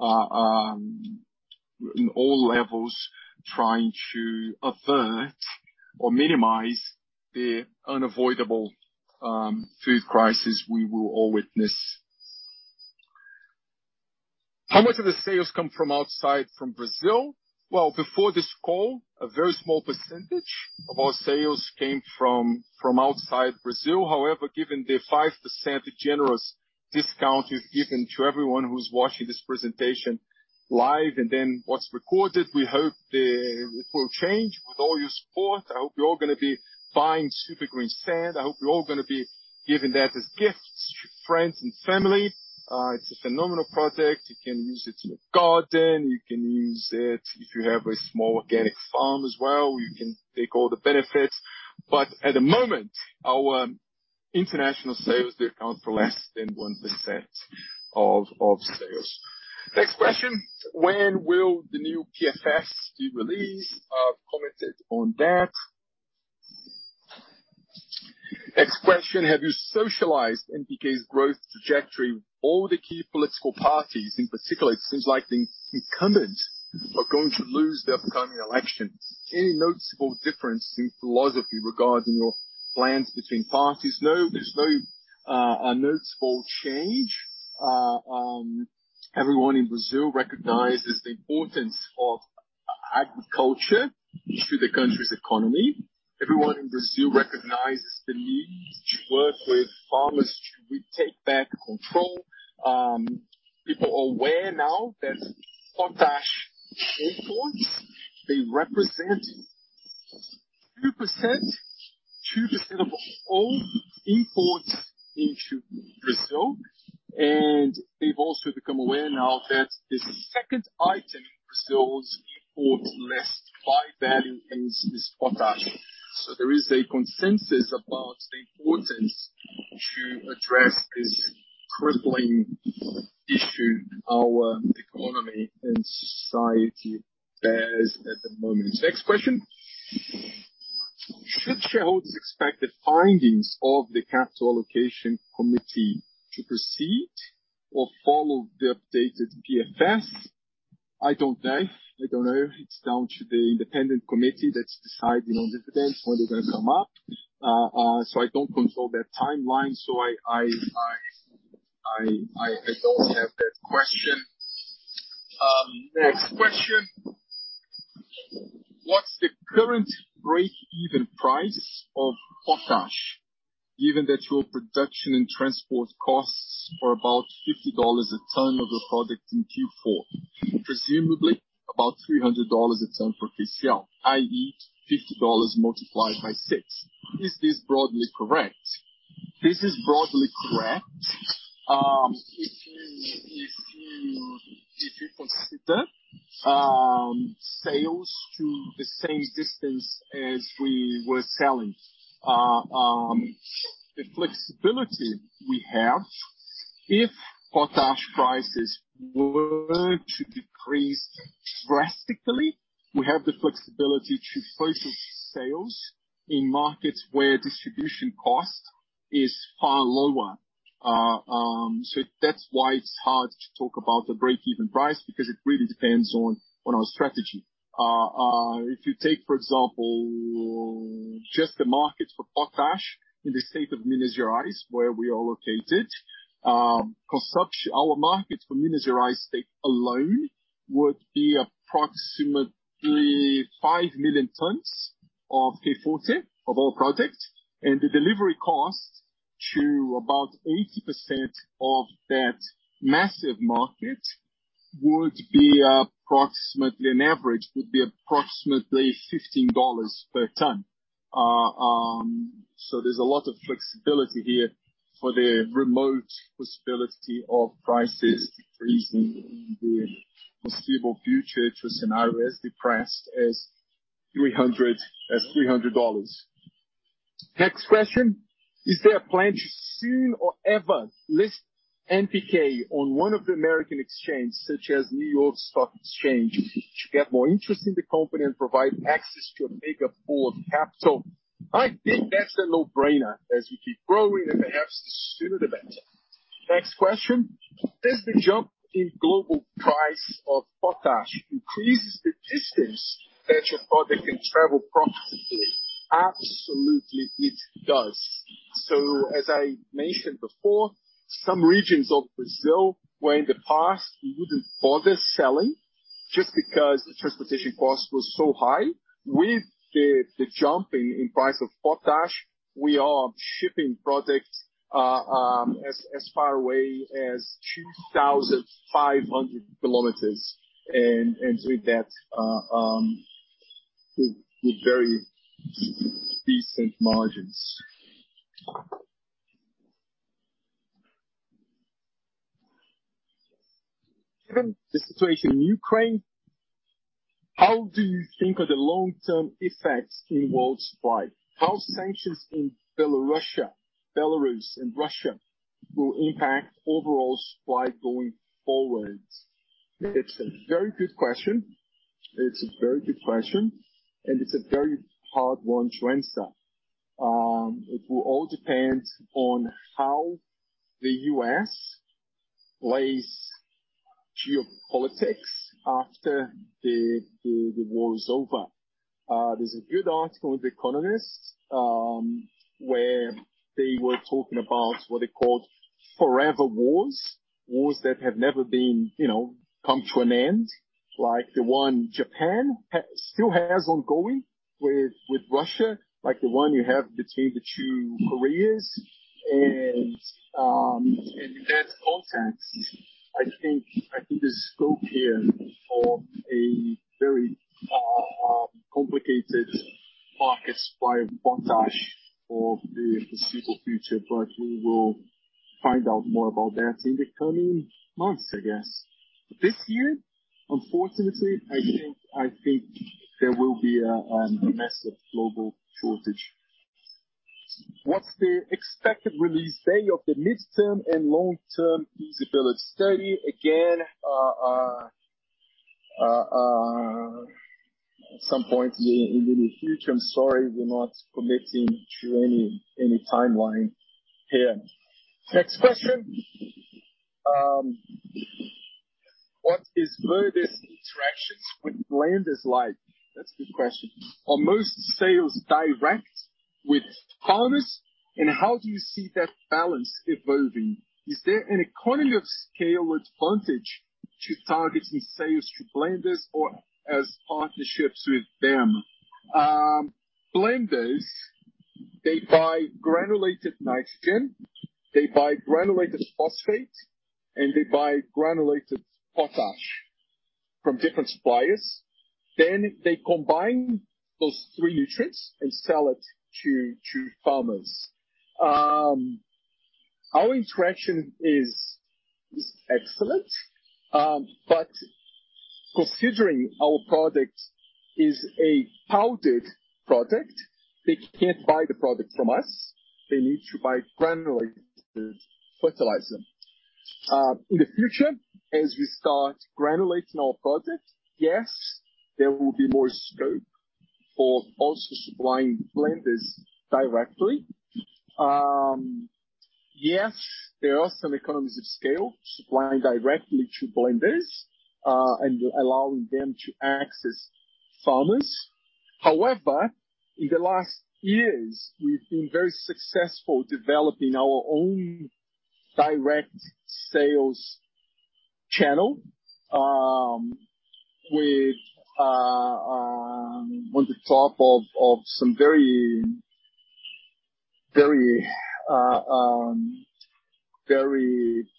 in all levels, trying to avert or minimize the unavoidable, food crisis we will all witness. How much of the sales come from outside Brazil? Well, before this call, a very small percentage of our sales came from outside Brazil. However, given the 5% generous discount you've given to everyone who's watching this presentation live and then what's recorded, we hope it will change with all your support. I hope you're all gonna be buying Super Greensand. I hope you're all gonna be giving that as gifts to friends and family. It's a phenomenal product. You can use it in your garden. You can use it if you have a small organic farm as well. You can take all the benefits. At the moment, our international sales account for less than 1% of sales. Next question: When will the new PFS be released? I've commented on that. Next question: Have you socialized NPK's growth trajectory with all the key political parties? In particular, it seems like the incumbents are going to lose the upcoming election. Any noticeable difference in philosophy regarding your plans between parties? No, there's no noticeable change. Everyone in Brazil recognizes the importance of agriculture to the country's economy. Everyone in Brazil recognizes the need to work with farmers to retake back control. People are aware now that potash imports represent 2% of all imports into Brazil, and they've also become aware now that the second item Brazil's imports list by value is potash. There is a consensus about the importance to address this crippling issue our economy and society bears at the moment. Next question. Should shareholders expect the findings of the capital allocation committee to proceed or follow the updated PFS? I don't know. It's down to the independent committee that decide, you know, dividends, when they're gonna come up. I don't control that timeline, so I don't have that question. Next question. What's the current break-even price of potash given that your production and transport costs were about $50 a ton of the product in Q4? Presumably about $300 a ton for KCl, i.e., $50 multiplied by six. Is this broadly correct? This is broadly correct. If you consider sales to the same distance as we were selling, the flexibility we have if potash prices were to decrease drastically, we have the flexibility to focus sales in markets where distribution cost is far lower. So that's why it's hard to talk about the break-even price, because it really depends on our strategy. If you take, for example, just the market for potash in the state of Minas Gerais, where we are located, our market for Minas Gerais state alone would be approximately 5 million tons of K Forte of all products, and the delivery cost to about 80% of that massive market would be an average of approximately $15 per ton. So there's a lot of flexibility here for the remote possibility of prices decreasing in the foreseeable future to scenarios depressed as $300. Next question: Is there a plan to soon or ever list NPK on one of the American exchanges, such as New York Stock Exchange, to get more interest in the company and provide access to a bigger pool of capital? I think that's a no-brainer as we keep growing, and perhaps the sooner the better. Next question: Does the jump in global price of potash increases the distance that your product can travel profitably? Absolutely, it does. As I mentioned before, some regions of Brazil, where in the past we wouldn't bother selling just because the transportation cost was so high, with the jumping in price of potash, we are shipping products as far away as 2,500 km with very decent margins. Given the situation in Ukraine, how do you think are the long-term effects in world supply? How sanctions in Belarus and Russia will impact overall supply going forward? It's a very good question, and it's a very hard one to answer. It will all depend on how the U.S. plays geopolitics after the war is over. There's a good article with economists where they were talking about what they called forever wars. Wars that have never been, you know, come to an end, like the one Japan still has ongoing with Russia, like the one you have between the two Koreas. In that context, I think there's scope here for a very complicated market supply dynamics for the foreseeable future. But we will find out more about that in the coming months, I guess. This year, unfortunately, I think there will be a massive global shortage. What's the expected release date of the mid-term and long-term feasibility study? Again, at some point in the near future. I'm sorry we're not committing to any timeline here. Next question. What is Verde's interactions with blenders like? That's a good question. Are most sales direct with farmers, and how do you see that balance evolving? Is there an economy of scale advantage to targeting sales to blenders or as partnerships with them? Blenders, they buy granulated nitrogen, they buy granulated phosphate, and they buy granulated potash from different suppliers. Then they combine those three nutrients and sell it to farmers. Our interaction is excellent. But considering our product is a powdered product, they can't buy the product from us, they need to buy granulated fertilizer. In the future, as we start granulating our product, yes, there will be more scope for also supplying blenders directly. Yes, there are some economies of scale supplying directly to blenders and allowing them to access farmers. However, in the last years, we've been very successful developing our own direct sales channel with on top of some very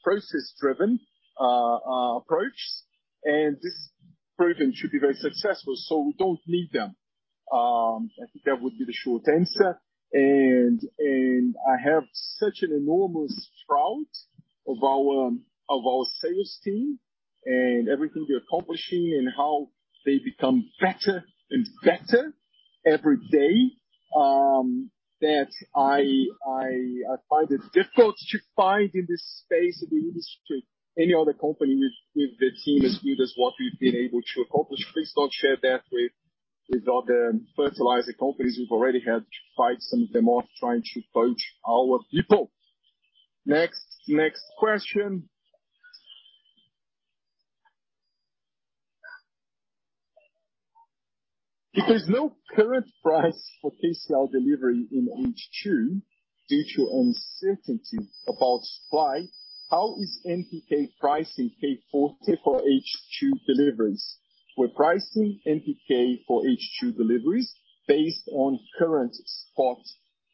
process-driven approach. This proven to be very successful, so we don't need them. I think that would be the short answer. I have such an enormous pride in our sales team and everything they're accomplishing and how they become better and better every day that I find it difficult to find in this space, in the industry, any other company with a team as good as what we've been able to accomplish. Please don't share that with other fertilizer companies. We've already had to fight some of them off trying to poach our people. Next question. If there's no current price for KCl delivery in H2 due to uncertainty about supply, how is NPK pricing paid for H2 deliveries? We're pricing NPK for H2 deliveries based on current spot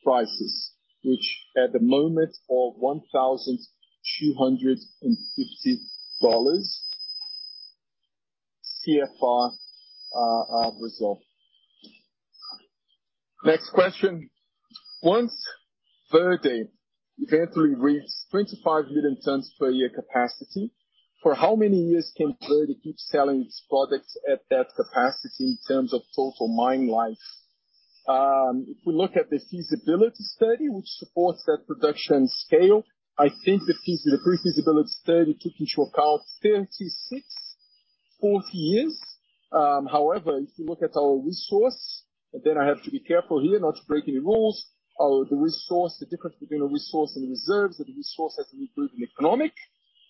prices, which at the moment are $1,250 CFR Brazil. Next question. Once Verde eventually reach 25 million tons per year capacity, for how many years can Verde keep selling its products at that capacity in terms of total mine life? If we look at the feasibility study which supports that production scale, I think the pre-feasibility study, taking into account 36, 40 years. However, if you look at our resource, and then I have to be careful here not to break any rules. The resource, the difference between a resource and reserves, that the resource has to be proven economic.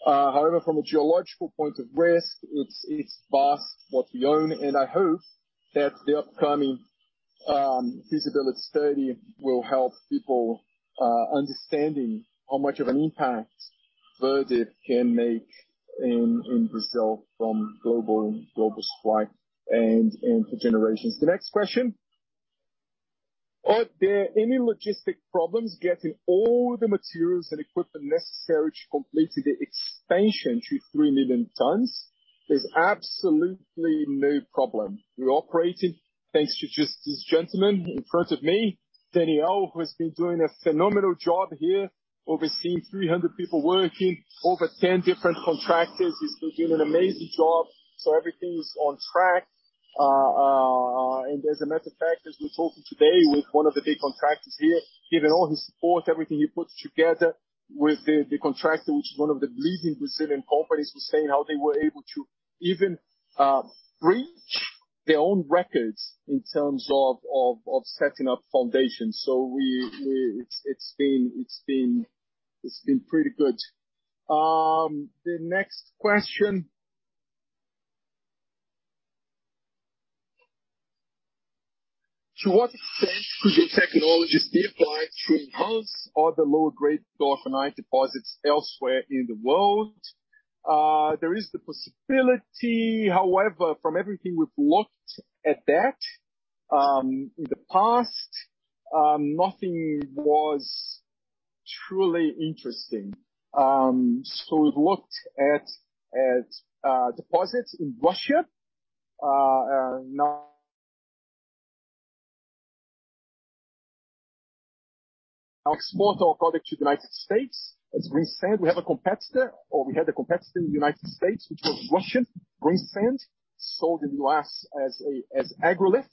However, from a geological point of risk, it's vast what we own. I hope that the upcoming feasibility study will help people understand how much of an impact Verde can make in Brazil on global supply and for generations. The next question. Are there any logistical problems getting all the materials and equipment necessary to complete the expansion to 3 million tons? There's absolutely no problem. We're operating thanks to just this gentleman in front of me, Daniel, who has been doing a phenomenal job here overseeing 300 people working over 10 different contractors. He's been doing an amazing job, so everything is on track. As a matter of fact, as we're talking today with one of the big contractors here, given all his support, everything he put together with the contractor, which is one of the leading Brazilian companies, was saying how they were able to even beat their own records in terms of setting up foundations. It's been pretty good. The next question. To what extent could the technologies be applied to enhance other lower grade glauconite deposits elsewhere in the world? There is the possibility. However, from everything we've looked at that in the past, nothing was truly interesting. We've looked at deposits in Russia and now export our product to the United States. As greensand, we have a competitor, or we had a competitor in the United States, which was Russian greensand, sold in U.S. as [Agrilift].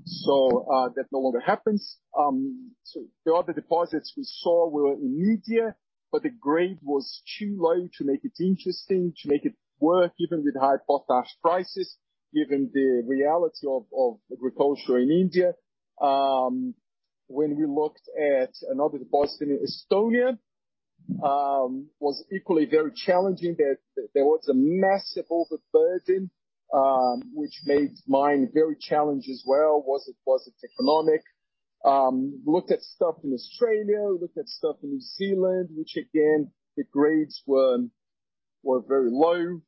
That no longer happens. The other deposits we saw were in India, but the grade was too low to make it interesting, to make it work, even with high potash prices, given the reality of agriculture in India. When we looked at another deposit in Estonia, it was equally very challenging. There was a massive overburden, which made mining very challenging as well. Was it economic? We looked at stuff in Australia, looked at stuff in New Zealand, which again, the grades were very low.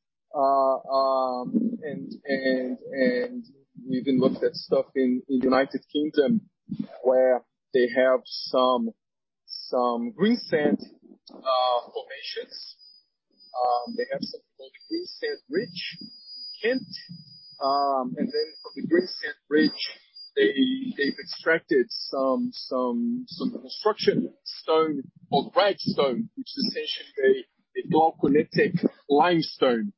We even looked at stuff in the United Kingdom where they have some greensand formations. They have something called Greensand Ridge in Kent. Then from the Greensand Ridge, they've extracted some construction stone called red stone, which is essentially a dolomitic limestone.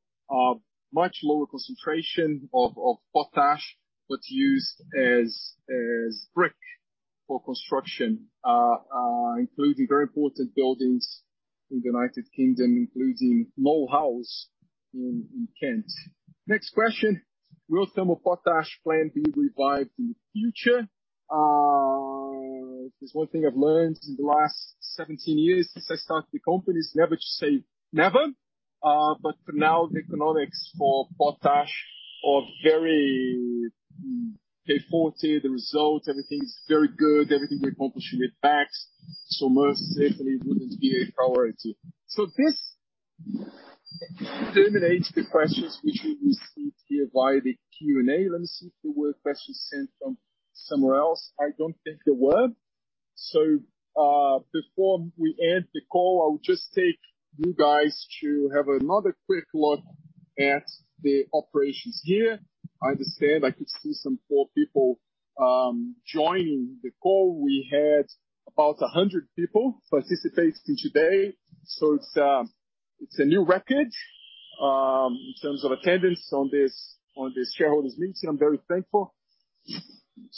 Much lower concentration of potash, but used as brick for construction, including very important buildings in the United Kingdom, including Mote House in Kent. Next question. Will thermal potash plant be revived in the future? If there's one thing I've learned in the last 17 years since I started the company, is never to say never. But for now, the economics for potash are very poor. The results, everything is very good. Everything we accomplish with facts, most definitely wouldn't be a priority. This terminates the questions which we received here via the Q&A. Let me see if there were questions sent from somewhere else. I don't think there were. Before we end the call, I would just take you guys to have another quick look at the operations here. I understand I could see some more people joining the call. We had about 100 people participating today. It's a new record in terms of attendance on this shareholders meeting. I'm very thankful.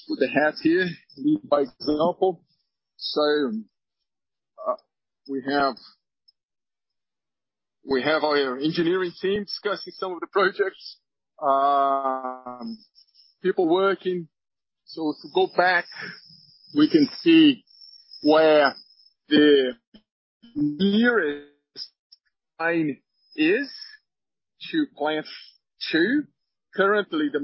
With the hat here, lead by example. We have our engineering team discussing some of the projects. People working. To go back, we can see where the nearest mine is to Plant 2. Currently, this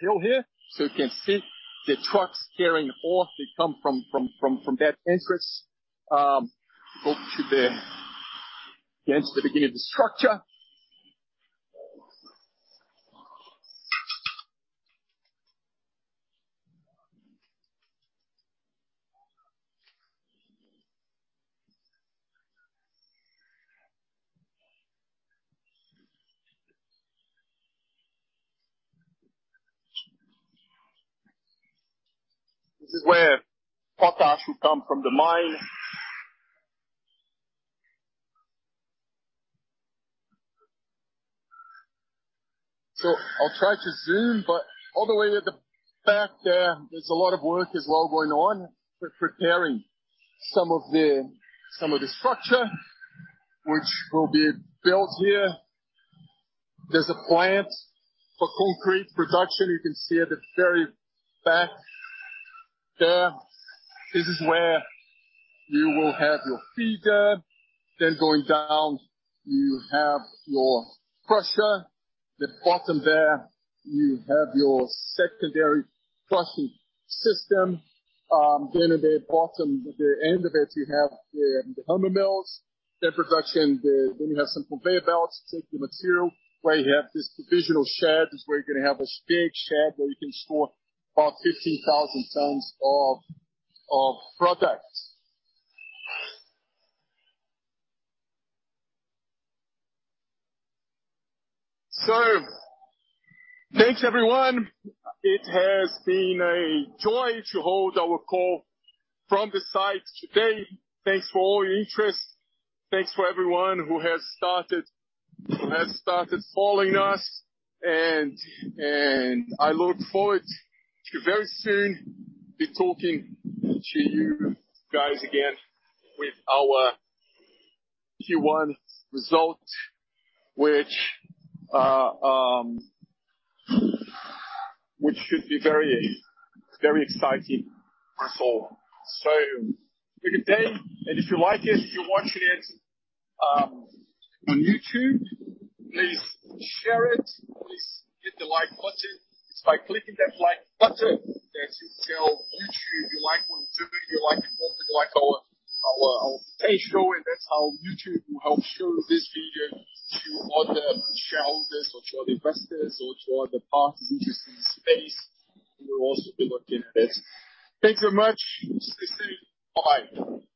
hill here. You can see the trucks carrying the ore. They come from that entrance up to the against the beginning of the structure. This is where potash will come from the mine. I'll try to zoom, but all the way at the back there's a lot of work as well going on. We're preparing some of the structure which will be built here. There's a plant for concrete production you can see at the very back there. This is where you will have your feeder. Going down, you have your crusher. At the bottom there, you have your secondary crushing system. At the bottom, at the end of it, you have the hammer mills. You have some conveyor belts to take the material. Where you have this provisional shed is where you're gonna have a big shed where you can store about 15,000 tons of product. Thanks everyone. It has been a joy to hold our call from the site today. Thanks for all your interest. Thanks for everyone who has started following us. I look forward to very soon be talking to you guys again with our Q1 results, which should be very, very exciting for us all. Have a good day, and if you like it, if you're watching it on YouTube, please share it. Please hit the like button. It's by clicking that like button that you tell YouTube you like what we're doing. You like it, you like our page show, and that's how YouTube will help show this video to other shareholders or to other investors or to other parties interested in this space, who will also be looking at it. Thank you very much. Stay safe. Bye-bye.